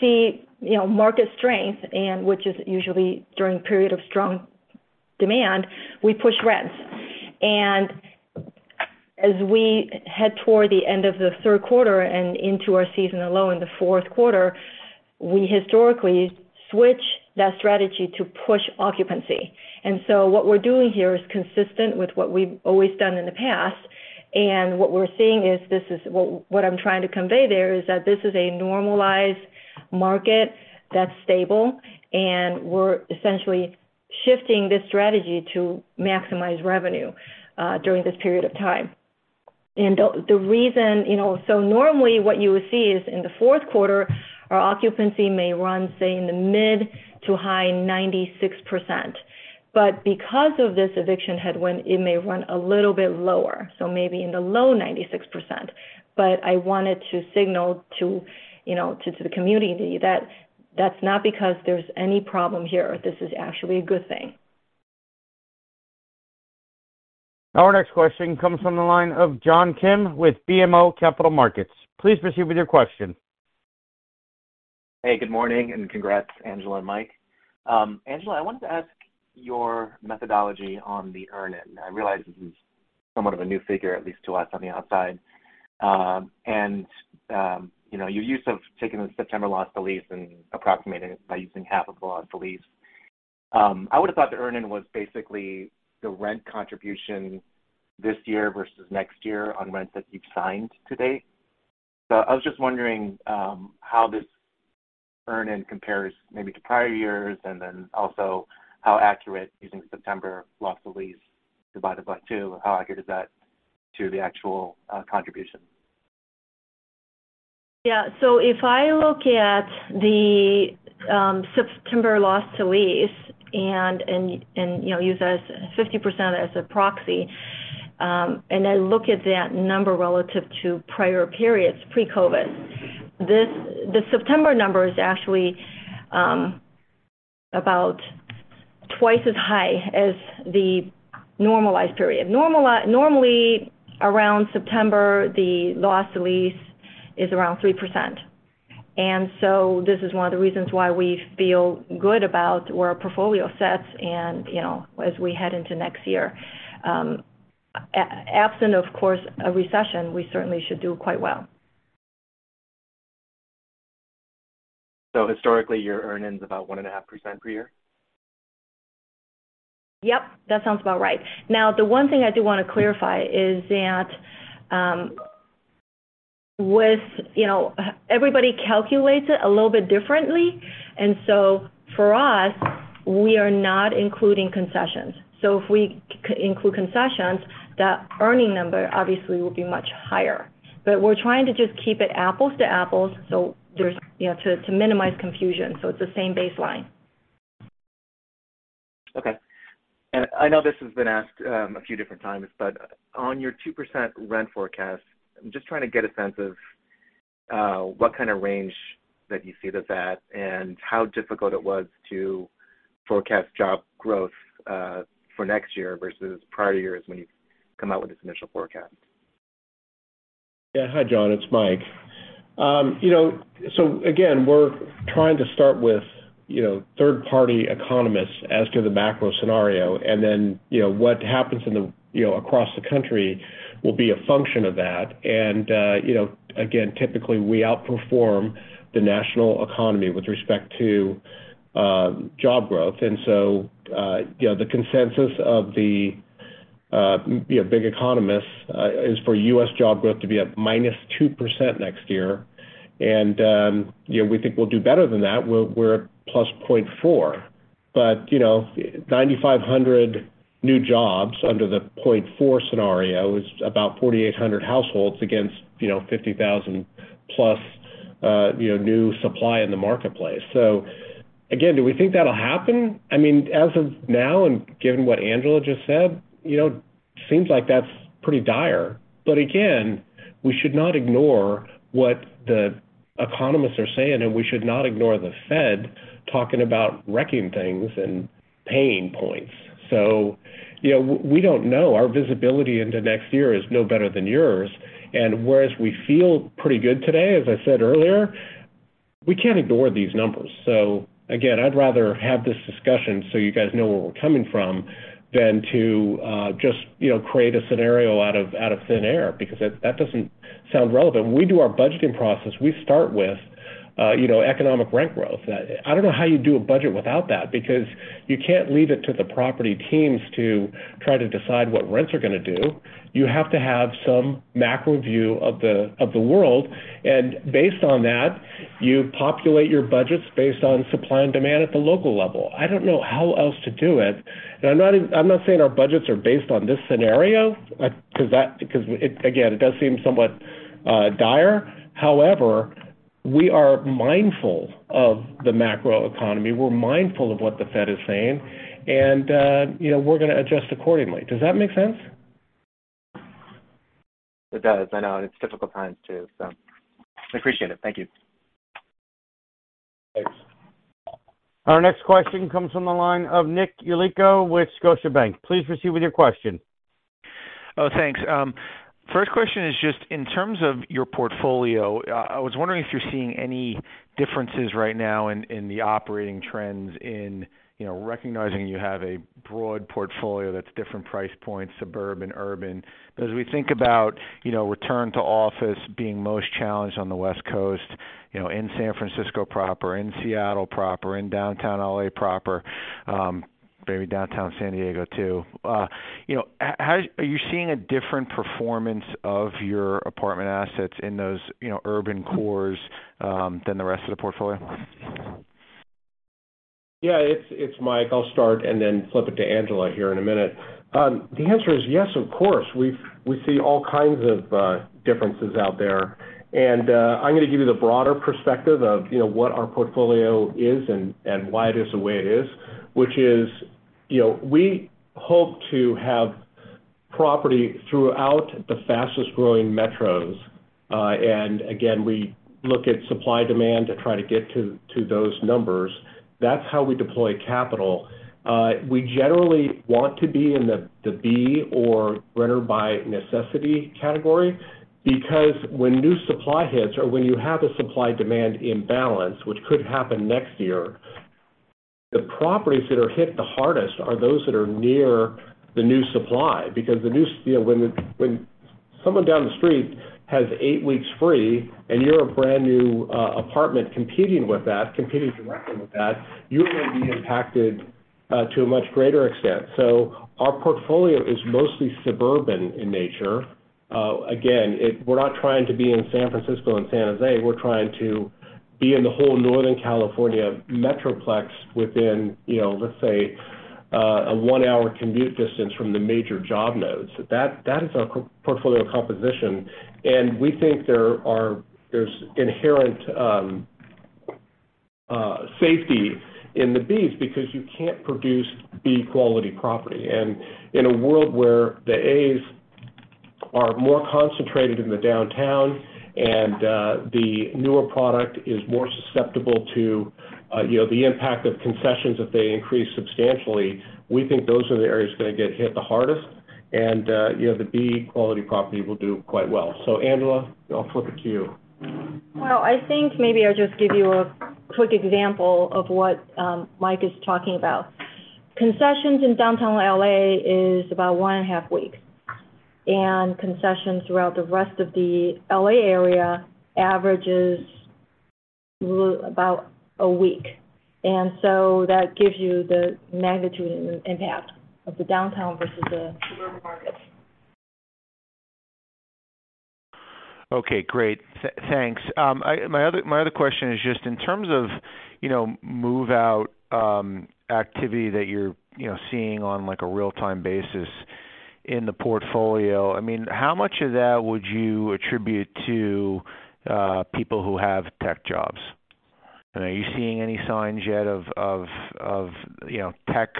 see, you know, market strength and which is usually during a period of strong demand, we push rents. As we head toward the end of the third quarter and into our season low in the fourth quarter, we historically switch that strategy to push occupancy. What we're doing here is consistent with what we've always done in the past. What we're seeing is what I'm trying to convey there is that this is a normalized market that's stable, and we're essentially shifting this strategy to maximize revenue during this period of time. The reason, you know, normally what you would see is in the fourth quarter, our occupancy may run, say, in the mid- to high 96%. Because of this eviction head-wind, it may run a little bit lower, so maybe in the low 96%. I wanted to signal to, you know, to the community that that's not because there's any problem here. This is actually a good thing. Our next question comes from the line of John Kim with BMO Capital Markets. Please proceed with your question. Hey, good morning, and congrats, Angela and Mike. Angela, I wanted to ask your methodology on the earn-in. I realize this is somewhat of a new figure, at least to us on the outside. You know, your use of taking the September loss to lease and approximating it by using half of the loss to lease. I would have thought the earn-in was basically the rent contribution this year versus next year on rents that you've signed to date. I was just wondering how this earn-in compares maybe to prior years, and then also how accurate using September loss to lease divided by two, how accurate is that to the actual contribution? Yeah. If I look at the September loss to lease and you know use that as 50% as a proxy and I look at that number relative to prior periods pre-COVID, the September number is actually about twice as high as the normalized period. Normally around September, the loss to lease is around 3%. This is one of the reasons why we feel good about where our portfolio sits and you know as we head into next year. Absent, of course, a recession, we certainly should do quite well. Historically, your earn-in is about 1.5% per year? Yep. That sounds about right. Now, the one thing I do wanna clarify is that, with, you know, everybody calculates it a little bit differently. For us, we are not including concessions. If we include concessions, that earn-in number obviously will be much higher. We're trying to just keep it apples to apples, so there's, you know, to minimize confusion, so it's the same baseline. Okay. I know this has been asked a few different times, but on your 2% rent forecast, I'm just trying to get a sense of what kind of range that you see that at and how difficult it was to forecast job growth for next year versus prior years when you come out with this initial forecast? Yeah. Hi, John. It's Mike. You know, again, we're trying to start with, you know, third-party economists as to the macro scenario, and then, you know, what happens in the, you know, across the country will be a function of that. You know, again, typically we outperform the national economy with respect to job growth. You know, the consensus of the, you know, big economists is for U.S. job growth to be at -2% next year. You know, we think we'll do better than that. We're at +0.4%. You know, 9,500 new jobs under the 0.4% scenario is about 4,800 households against, you know, 50,000 plus, you know, new supply in the marketplace. Again, do we think that'll happen? I mean, as of now and given what Angela just said, you know, seems like that's pretty dire. Again, we should not ignore what the economists are saying, and we should not ignore the Fed talking about wrecking things and pain points. You know, we don't know. Our visibility into next year is no better than yours. Whereas we feel pretty good today, as I said earlier, we can't ignore these numbers. Again, I'd rather have this discussion so you guys know where we're coming from than to, just, you know, create a scenario out of thin air because that doesn't sound relevant. When we do our budgeting process, we start with, you know, economic rent growth. I don't know how you do a budget without that because you can't leave it to the property teams to try to decide what rents are gonna do. You have to have some macro view of the world, and based on that, you populate your budgets based on supply and demand at the local level. I don't know how else to do it. I'm not saying our budgets are based on this scenario, because it, again, it does seem somewhat dire. However, we are mindful of the macro economy, we're mindful of what the Fed is saying, and you know, we're gonna adjust accordingly. Does that make sense? It does. I know it's difficult times too, so I appreciate it. Thank you. Thanks. Our next question comes from the line of Nick Yulico with Scotiabank. Please proceed with your question. Oh, thanks. First question is just in terms of your portfolio, was wondering if you're seeing any differences right now in the operating trends in, you know, recognizing you have a broad portfolio that's different price points, suburban, urban. But as we think about, you know, return to office being most challenged on the West Coast, you know, in San Francisco proper, in Seattle proper, in Downtown L.A. proper, maybe downtown San Diego too. You know, how are you seeing a different performance of your apartment assets in those, you know, urban cores, than the rest of the portfolio? Yeah. It's Mike. I'll start and then flip it to Angela here in a minute. The answer is yes, of course. We see all kinds of differences out there. I'm gonna give you the broader perspective of, you know, what our portfolio is and why it is the way it is, which is, you know, we hope to have property throughout the fastest growing metros. We look at supply demand to try to get to those numbers. That's how we deploy capital. We generally want to be in the B or renter by necessity category. Because when new supply hits or when you have a supply demand imbalance, which could happen next year, the properties that are hit the hardest are those that are near the new supply because the new You know, when someone down the street has eight weeks free and you're a brand-new apartment competing with that, competing directly with that, you're gonna be impacted to a much greater extent. Our portfolio is mostly suburban in nature. Again, we're not trying to be in San Francisco and San Jose. We're trying to be in the whole Northern California metroplex within, you know, let's say, a one-hour commute distance from the major job nodes. That is our portfolio composition, and we think there's inherent safety in the Bs because you can't produce B quality property. In a world where the As are more concentrated in the downtown and the newer product is more susceptible to, you know, the impact of concessions if they increase substantially, we think those are the areas that get hit the hardest. You know, the B quality property will do quite well. Angela, I'll flip it to you. Well, I think maybe I'll just give you a quick example of what Mike is talking about. Concessions in Downtown L.A. is about one and a half weeks, and concessions throughout the rest of the L.A. area averages about a week. That gives you the magnitude and impact of the downtown versus the suburban markets. Okay, great. Thanks. My other question is just in terms of, you know, move out activity that you're, you know, seeing on like a real time basis in the portfolio. I mean, how much of that would you attribute to people who have tech jobs? Are you seeing any signs yet of, you know, tech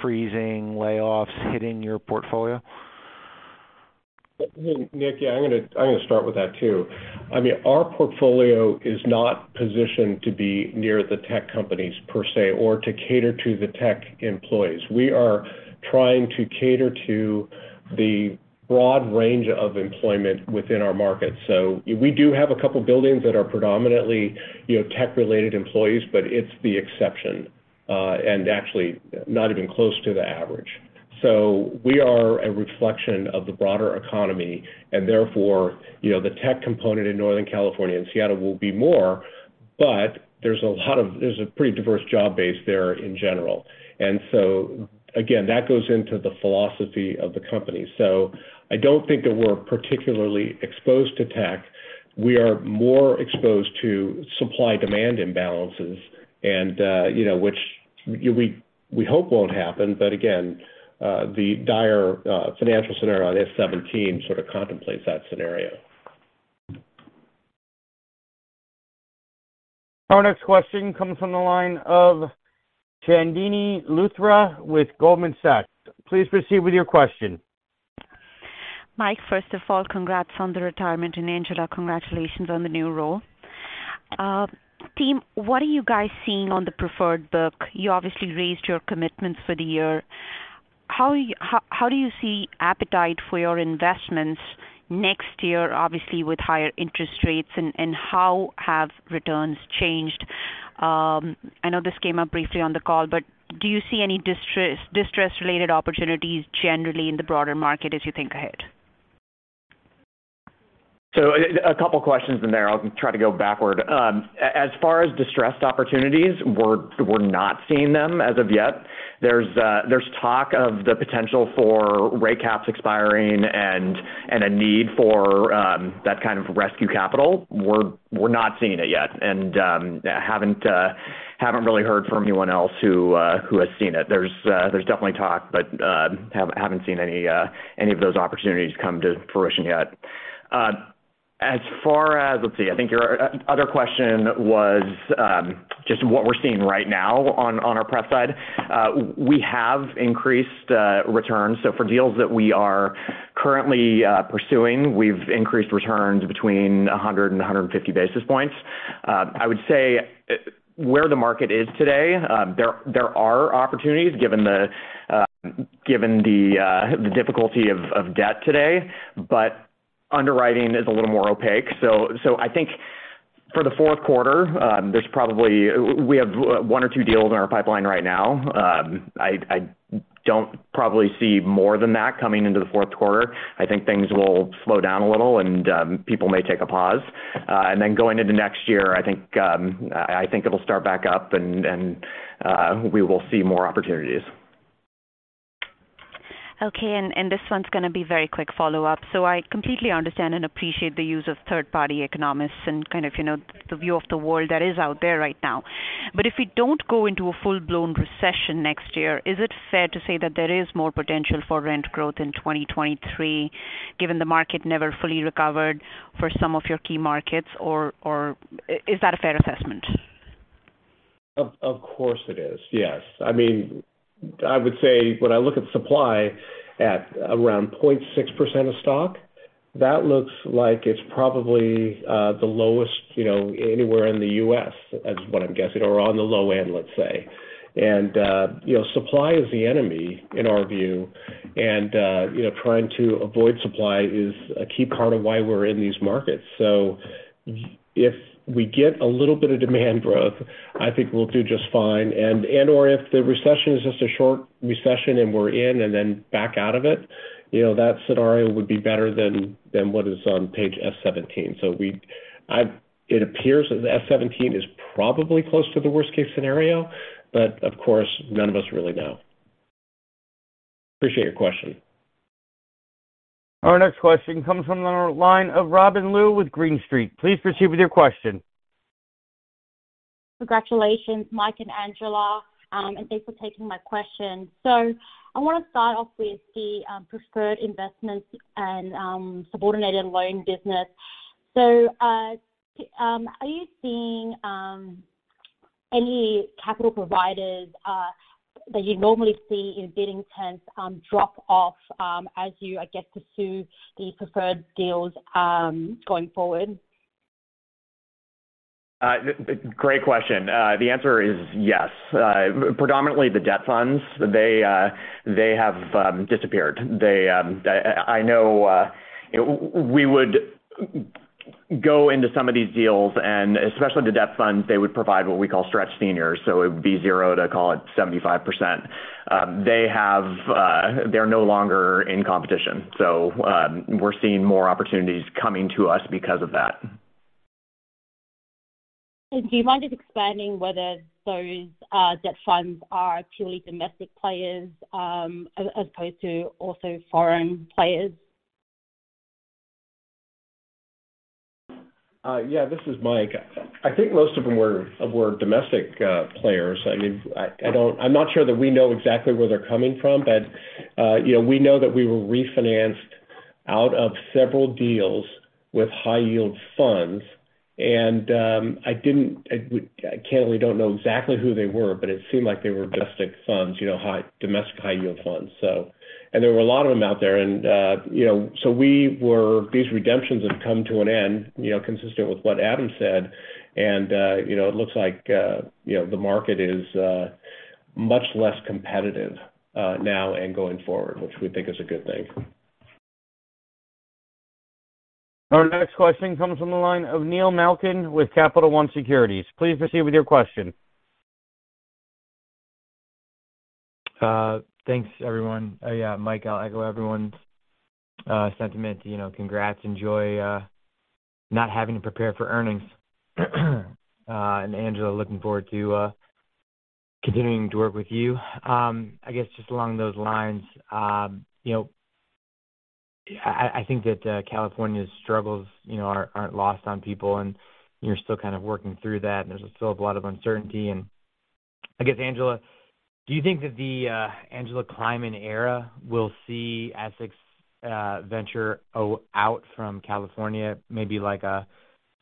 freezing layoffs hitting your portfolio? Nick, yeah, I'm gonna start with that too. I mean, our portfolio is not positioned to be near the tech companies per se or to cater to the tech employees. We are trying to cater to the broad range of employment within our market. We do have a couple buildings that are predominantly, you know, tech related employees, but it's the exception, and actually not even close to the average. We are a reflection of the broader economy, and therefore, you know, the tech component in Northern California and Seattle will be more, but there's a pretty diverse job base there in general. Again, that goes into the philosophy of the company. I don't think that we're particularly exposed to tech. We are more exposed to supply-demand imbalances and, you know, which we hope won't happen, but again, the dire financial scenario on S-17 sort of contemplates that scenario. Our next question comes from the line of Chandni Luthra with Goldman Sachs. Please proceed with your question. Mike, first of all, congrats on the retirement, and Angela, congratulations on the new role. Team, what are you guys seeing on the preferred book? You obviously raised your commitments for the year. How do you see appetite for your investments next year, obviously with higher interest rates, and how have returns changed? I know this came up briefly on the call, but do you see any distress-related opportunities generally in the broader market as you think ahead? A couple questions in there. I'll try to go backward. As far as distressed opportunities, we're not seeing them as of yet. There's talk of the potential for rate caps expiring and a need for that kind of rescue capital. We're not seeing it yet, and haven't really heard from anyone else who has seen it. There's definitely talk, but I haven't seen any of those opportunities come to fruition yet. As far as. Let's see. I think your other question was just what we're seeing right now on our prep side. We have increased returns. For deals that we are currently pursuing, we've increased returns between 100 and 150 basis points. I would say where the market is today, there are opportunities given the difficulty of debt today, but underwriting is a little more opaque. I think for the fourth quarter, we have one or two deals in our pipeline right now. I don't probably see more than that coming into the fourth quarter. I think things will slow down a little, and people may take a pause. Going into next year, I think it'll start back up and we will see more opportunities. Okay. This one's gonna be very quick follow-up. I completely understand and appreciate the use of third-party economists and kind of, you know, the view of the world that is out there right now. If we don't go into a full-blown recession next year, is it fair to say that there is more potential for rent growth in 2023, given the market never fully recovered for some of your key markets, or is that a fair assessment? Of course, it is. Yes. I mean, I would say when I look at supply at around 0.6% of stock, that looks like it's probably the lowest, you know, anywhere in the U.S., is what I'm guessing, or on the low end, let's say. Supply is the enemy in our view, and you know, trying to avoid supply is a key part of why we're in these markets. If we get a little bit of demand growth, I think we'll do just fine, and/or if the recession is just a short recession and we're in and then back out of it, you know, that scenario would be better than what is on page S-17. It appears that S-17 is probably close to the worst-case scenario, but of course, none of us really know. Appreciate your question. Our next question comes from the line of Robyn Luu with Green Street. Please proceed with your question. Congratulations, Mike and Angela, and thanks for taking my question. I wanna start off with the preferred investments and subordinated loan business. Are you seeing any capital providers that you normally see in bidding contests drop off as you, I guess, pursue the preferred deals going forward? Great question. The answer is yes. Predominantly the debt funds, they have disappeared. I know we would go into some of these deals, and especially the debt funds, they would provide what we call stretch senior. It would be zero to, call it, 75%. They're no longer in competition, so we're seeing more opportunities coming to us because of that. Do you mind just expanding whether those debt funds are purely domestic players, as opposed to also foreign players? Yeah, this is Mike. I think most of them were domestic players. I mean, I'm not sure that we know exactly where they're coming from, but you know, we know that we were refinanced out of several deals with high yield funds, and we don't know exactly who they were, but it seemed like they were domestic funds, you know, domestic high yield funds. There were a lot of them out there. These redemptions have come to an end, you know, consistent with what Adam said, and you know, it looks like you know, the market is much less competitive now and going forward, which we think is a good thing. Our next question comes from the line of Neil Malkin with Capital One Securities. Please proceed with your question. Thanks, everyone. Yeah, Mike, I'll echo everyone's sentiment. You know, congrats. Enjoy not having to prepare for earnings. Angela, looking forward to continuing to work with you. I guess just along those lines, you know, I think that California's struggles, you know, aren't lost on people, and you're still kind of working through that, and there's still a lot of uncertainty. I guess, Angela, do you think that the Angela Kleiman era will see Essex venture out from California, maybe like a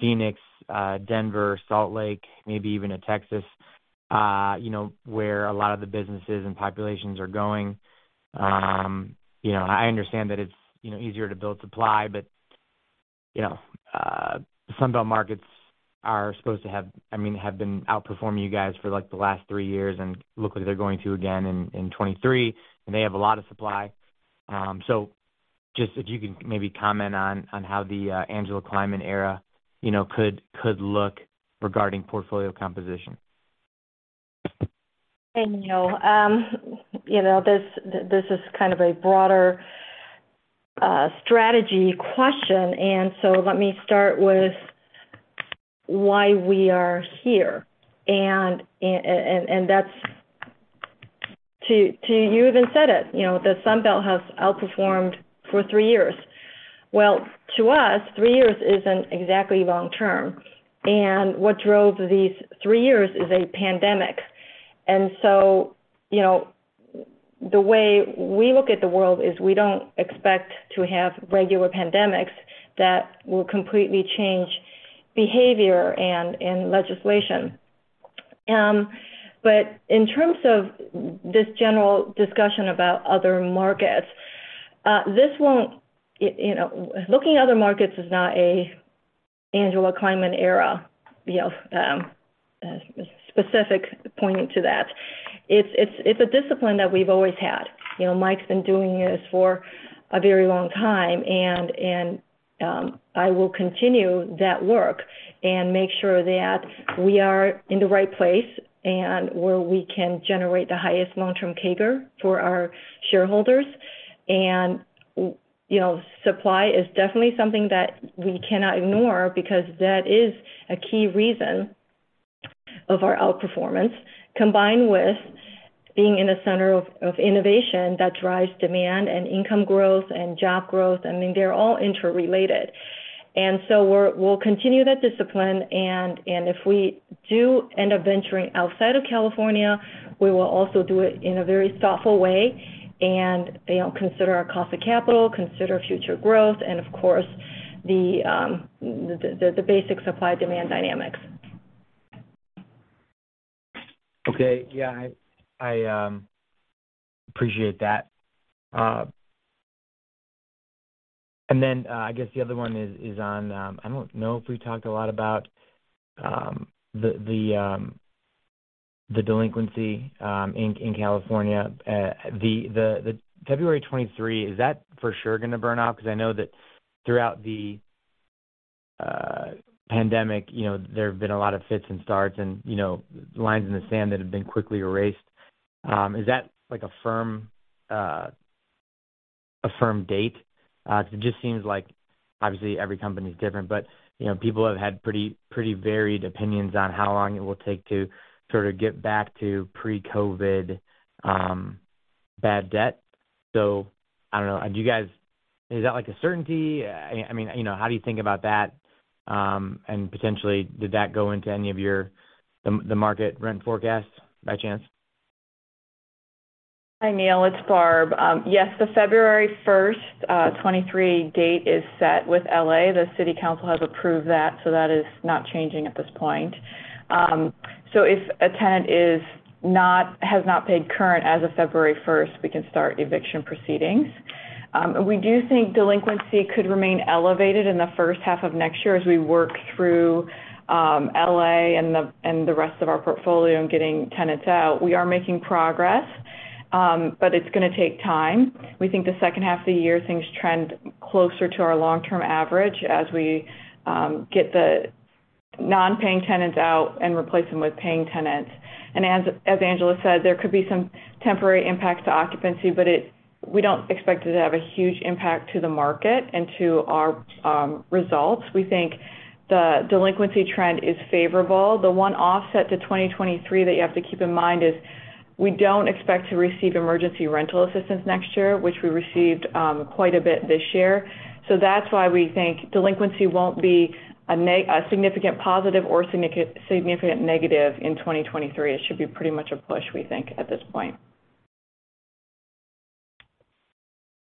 Phoenix, Denver, Salt Lake, maybe even a Texas, you know, where a lot of the businesses and populations are going? You know, I understand that it's, you know, easier to build supply, but, you know, Sun Belt markets are supposed to have, I mean, have been outperforming you guys for, like, the last three years and looks like they're going to again in 2023, and they have a lot of supply. So just if you could maybe comment on how the Angela Kleiman era, you know, could look regarding portfolio composition. Hey, Neil. You know, this is kind of a broader strategy question, and so let me start with why we are here. That's to you even said it, you know, the Sunbelt has outperformed for three years. Well, to us, three years isn't exactly long term. What drove these three years is a pandemic. You know, the way we look at the world is we don't expect to have regular pandemics that will completely change behavior and legislation. But in terms of this general discussion about other markets, this won't, you know, looking at other markets is not a Angela Kleiman era, you know, specific pointing to that. It's a discipline that we've always had. You know, Mike's been doing this for a very long time and I will continue that work and make sure that we are in the right place and where we can generate the highest long-term CAGR for our shareholders. You know, supply is definitely something that we cannot ignore because that is a key reason of our outperformance, combined with being in a center of innovation that drives demand and income growth and job growth. I mean, they're all interrelated. We'll continue that discipline. If we do end up venturing outside of California, we will also do it in a very thoughtful way and, you know, consider our cost of capital, consider future growth and of course, the basic supply-demand dynamics. Okay. Yeah, I appreciate that. I guess the other one is on. I don't know if we talked a lot about the delinquency in California. The February 2023, is that for sure gonna burn out? Because I know that throughout the pandemic, you know, there have been a lot of fits and starts and, you know, lines in the sand that have been quickly erased. Is that like a firm date? It just seems like obviously every company is different, but, you know, people have had pretty varied opinions on how long it will take to sort of get back to pre-COVID bad debt. I don't know. Do you guys. Is that like a certainty? I mean, you know, how do you think about that? Potentially did that go into any of your the market rent forecasts by chance? Hi, Neil, it's Barb. Yes, the February 1st, 2023 date is set with L.A. The city council has approved that, so that is not changing at this point. If a tenant has not paid current as of February 1st, we can start eviction proceedings. We do think delinquency could remain elevated in the first half of next year as we work through L.A. and the rest of our portfolio in getting tenants out. We are making progress, but it's gonna take time. We think the second half of the year, things trend closer to our long-term average as we get the non-paying tenants out and replace them with paying tenants. As Angela said, there could be some temporary impact to occupancy, but we don't expect it to have a huge impact to the market and to our results. We think the delinquency trend is favorable. The one offset to 2023 that you have to keep in mind is we don't expect to receive emergency rental assistance next year, which we received quite a bit this year. That's why we think delinquency won't be a significant positive or significant negative in 2023. It should be pretty much a push, we think, at this point.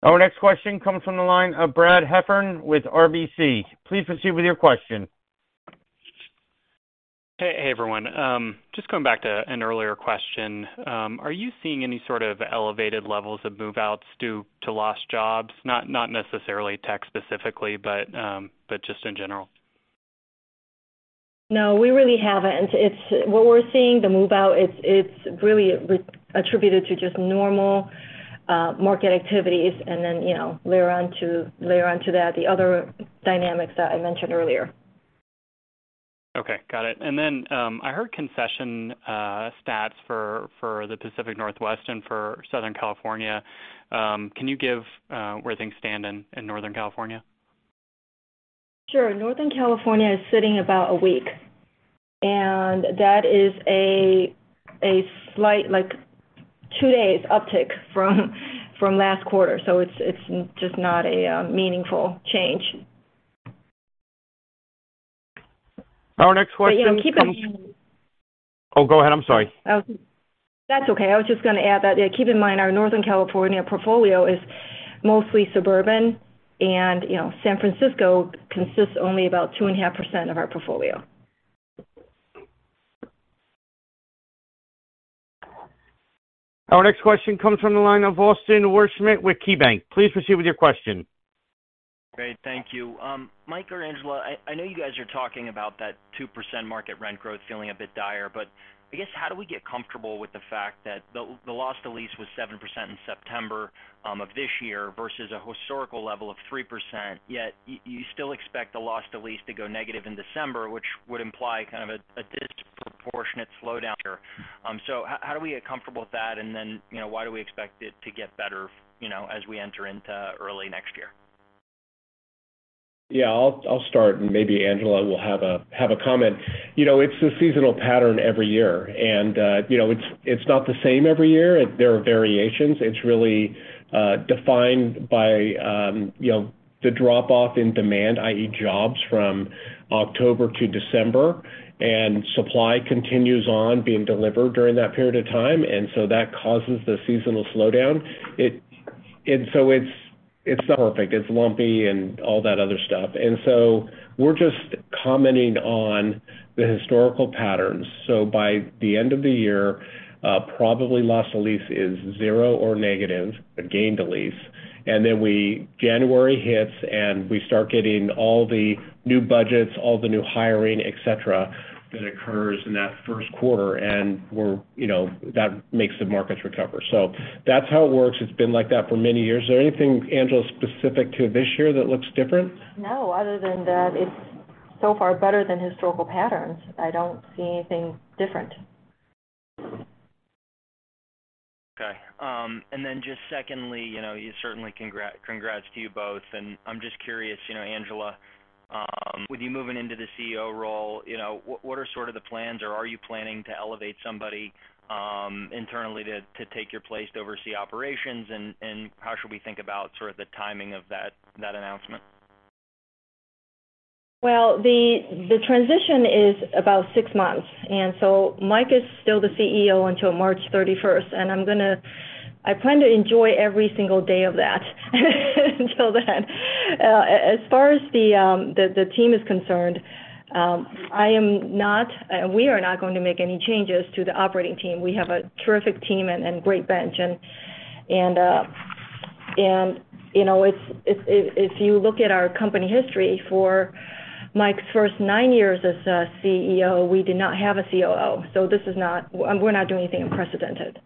Our next question comes from the line of Brad Heffern with RBC. Please proceed with your question. Hey, everyone. Just going back to an earlier question. Are you seeing any sort of elevated levels of move-outs due to lost jobs? Not necessarily tech specifically, but just in general? No, we really haven't. What we're seeing the move out, it's really re-attributed to just normal market activities and then, you know, layer on to that the other dynamics that I mentioned earlier. Okay, got it. I heard concession stats for the Pacific Northwest and for Southern California. Can you give where things stand in Northern California? Sure. Northern California is sitting about a week, and that is a slight like two days uptick from last quarter. It's just not a meaningful change. Our next question comes. You know, keep in mind. Oh, go ahead, I'm sorry. That's okay. I was just gonna add that, keep in mind our Northern California portfolio is mostly suburban and, you know, San Francisco consists only about 2.5% of our portfolio. Our next question comes from the line of Austin Wurschmidt with KeyBanc. Please proceed with your question. Great. Thank you. Mike or Angela, I know you guys are talking about that 2% market rent growth feeling a bit dire, but I guess how do we get comfortable with the fact that the loss to lease was 7% in September of this year versus a historical level of 3%, yet you still expect the loss to lease to go negative in December, which would imply kind of a proportionate slowdown here. How do we get comfortable with that? You know, why do we expect it to get better, you know, as we enter into early next year? Yeah. I'll start, and maybe Angela will have a comment. You know, it's a seasonal pattern every year. It's not the same every year. There are variations. It's really defined by you know, the drop-off in demand, i.e. jobs, from October to December, and supply continues on being delivered during that period of time. That causes the seasonal slowdown. It's not perfect, it's lumpy and all that other stuff. We're just commenting on the historical patterns. By the end of the year, probably loss to lease is zero or negative, a gain to lease. January hits, and we start getting all the new budgets, all the new hiring, et cetera, that occurs in that first quarter, and we're, you know, that makes the markets recover. That's how it works. It's been like that for many years. Is there anything, Angela, specific to this year that looks different? No, other than that, it's so far better than historical patterns. I don't see anything different. Okay. Just secondly, you know, you certainly congrats to you both. I'm just curious, you know, Angela, with you moving into the CEO role, you know, what are sort of the plans or are you planning to elevate somebody internally to take your place to oversee operations and how should we think about sort of the timing of that announcement? Well, the transition is about six months, and Mike is still the CEO until March thirty-first. I'm gonna I plan to enjoy every single day of that until then. As far as the team is concerned, we are not going to make any changes to the operating team. We have a terrific team and great bench and, you know, it's if you look at our company history for Mike's first nine years as CEO, we did not have a COO. This is not. We're not doing anything unprecedented.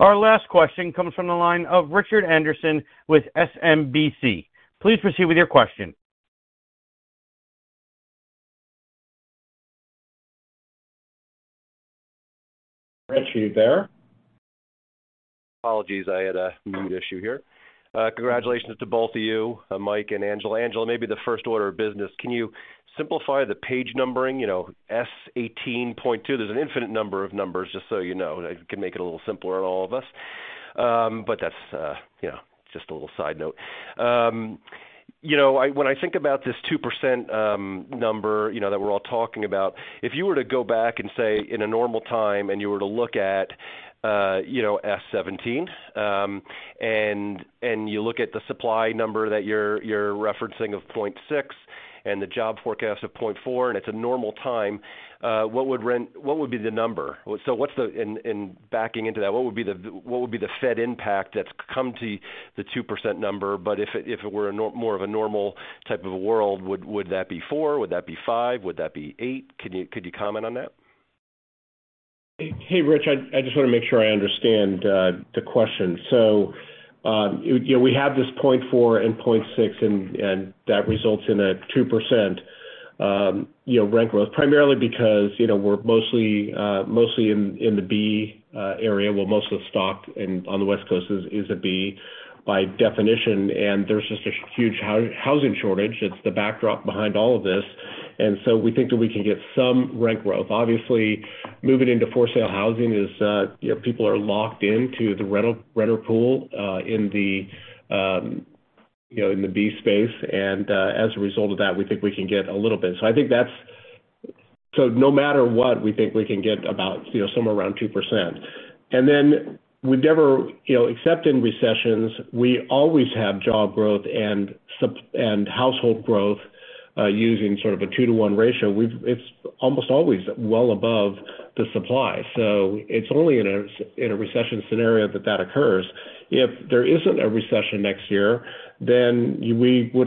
Our last question comes from the line of Richard Anderson with SMBC. Please proceed with your question. Richard, are you there? Apologies, I had a mute issue here. Congratulations to both of you, Mike and Angela. Angela, maybe the first order of business, can you simplify the page numbering, you know, S-18.2. There's an infinite number of numbers, just so you know. It can make it a little simpler on all of us. But that's just a little side note. When I think about this 2% number that we're all talking about, if you were to go back and say, in a normal time, and you were to look at S-17, and you look at the supply number that you're referencing of 0.6% and the job forecast of 0.4%, and it's a normal time, what would be the number? So what's the number? In backing into that, what would be the Fed impact that's come to the 2% number? If it were more of a normal type of a world, would that be 4%? Would that be 5%? Would that be 8%? Could you comment on that? Hey, Rich. I just wanna make sure I understand the question. You know, we have this 0.4% and 0.6%, and that results in a 2% rent growth, primarily because, you know, we're mostly in the B area, where most of the stock on the West Coast is a B by definition. There's just a huge housing shortage. It's the backdrop behind all of this. We think that we can get some rent growth. Obviously, moving into for-sale housing is, you know, people are locked into the renter pool in the B space. As a result of that, we think we can get a little bit. I think no matter what, we think we can get about, you know, somewhere around 2%. Then we never, you know, except in recessions, we always have job growth and household growth using sort of a 2.1 ratio. It's almost always well above the supply. It's only in a recession scenario that that occurs. If there isn't a recession next year, we'd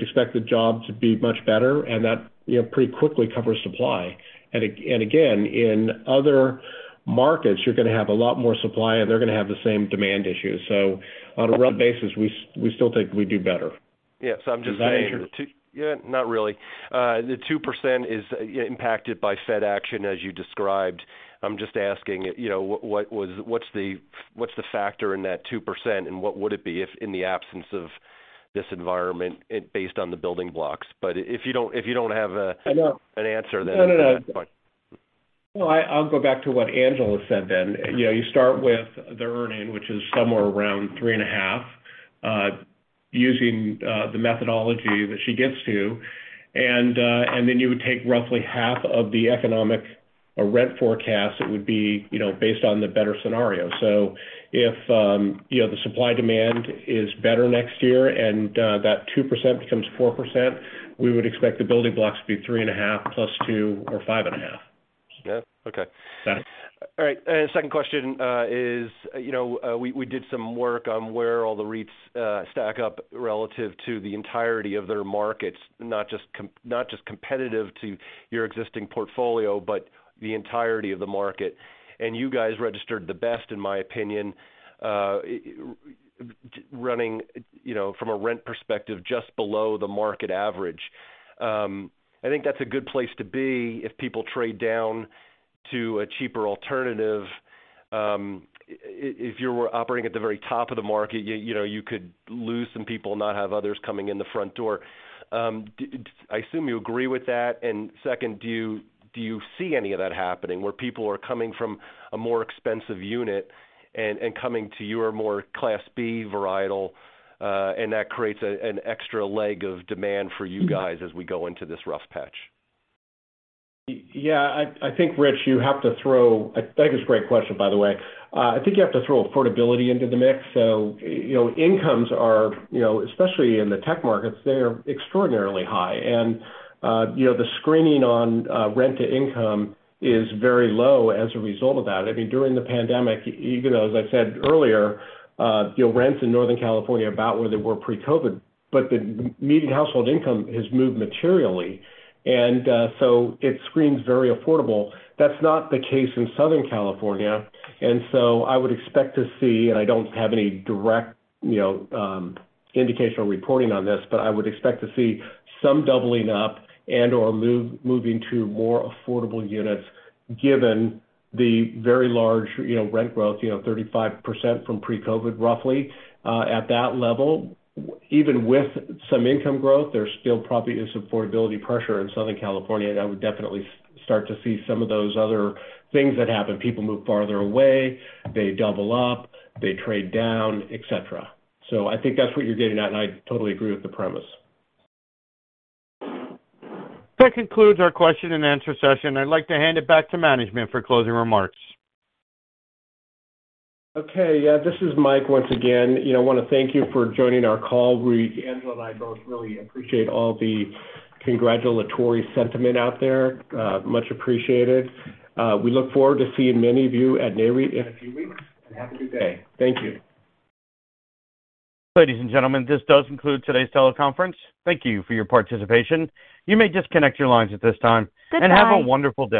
expect job growth to be much better, and that, you know, pretty quickly covers supply. And again, in other markets, you're gonna have a lot more supply, and they're gonna have the same demand issue. On a rough basis, we still think we do better. Yeah. I'm just asking. Does that answer your? Yeah, not really. The 2% is, you know, impacted by Fed action, as you described. I'm just asking, you know, what's the factor in that 2%, and what would it be if in the absence of this environment, based on the building blocks? I know. No, no That's fine. Well, I'll go back to what Angela said then. You know, you start with the earn-in, which is somewhere around 3.5, using the methodology that she gets to. Then you would take roughly half of the economic or rent forecast. It would be, you know, based on the better scenario. If you know, the supply-demand is better next year and that 2% becomes 4%, we would expect the building blocks to be 3.5 plus 2 or 5.5. Yeah. Okay. Got it. All right. Second question, is, you know, we did some work on where all the REITs stack up relative to the entirety of their markets, not just competitive to your existing portfolio, but the entirety of the market. You guys registered the best, in my opinion, just running, you know, from a rent perspective, just below the market average. I think that's a good place to be if people trade down to a cheaper alternative, if you're operating at the very top of the market, you know, you could lose some people, not have others coming in the front door. I assume you agree with that. Second, do you see any of that happening where people are coming from a more expensive unit and coming to your more Class B varietal, and that creates an extra leg of demand for you guys as we go into this rough patch? Yeah. I think, Rich, it's a great question, by the way. I think you have to throw affordability into the mix. You know, incomes are, you know, especially in the tech markets, they're extraordinarily high. You know, the screening on rent-to-income is very low as a result of that. I mean, during the pandemic, even though, as I said earlier, you know, rents in Northern California are about where they were pre-COVID, but the median household income has moved materially. It screens very affordable. That's not the case in Southern California. I would expect to see, and I don't have any direct, you know, indication or reporting on this, but I would expect to see some doubling up and/or moving to more affordable units, given the very large, you know, rent growth, you know, 35% from pre-COVID, roughly. At that level, even with some income growth, there still probably is affordability pressure in Southern California. I would definitely start to see some of those other things that happen. People move farther away, they double up, they trade down, et cetera. I think that's what you're getting at, and I totally agree with the premise. That concludes our question and answer session. I'd like to hand it back to management for closing remarks. Okay. Yeah. This is Michael once again. You know, I wanna thank you for joining our call. We, Angela and I both really appreciate all the congratulatory sentiment out there. Much appreciated. We look forward to seeing many of you at Nareit in a few weeks, and have a good day. Thank you. Ladies and gentlemen, this does conclude today's teleconference. Thank you for your participation. You may disconnect your lines at this time. Goodbye. Have a wonderful day.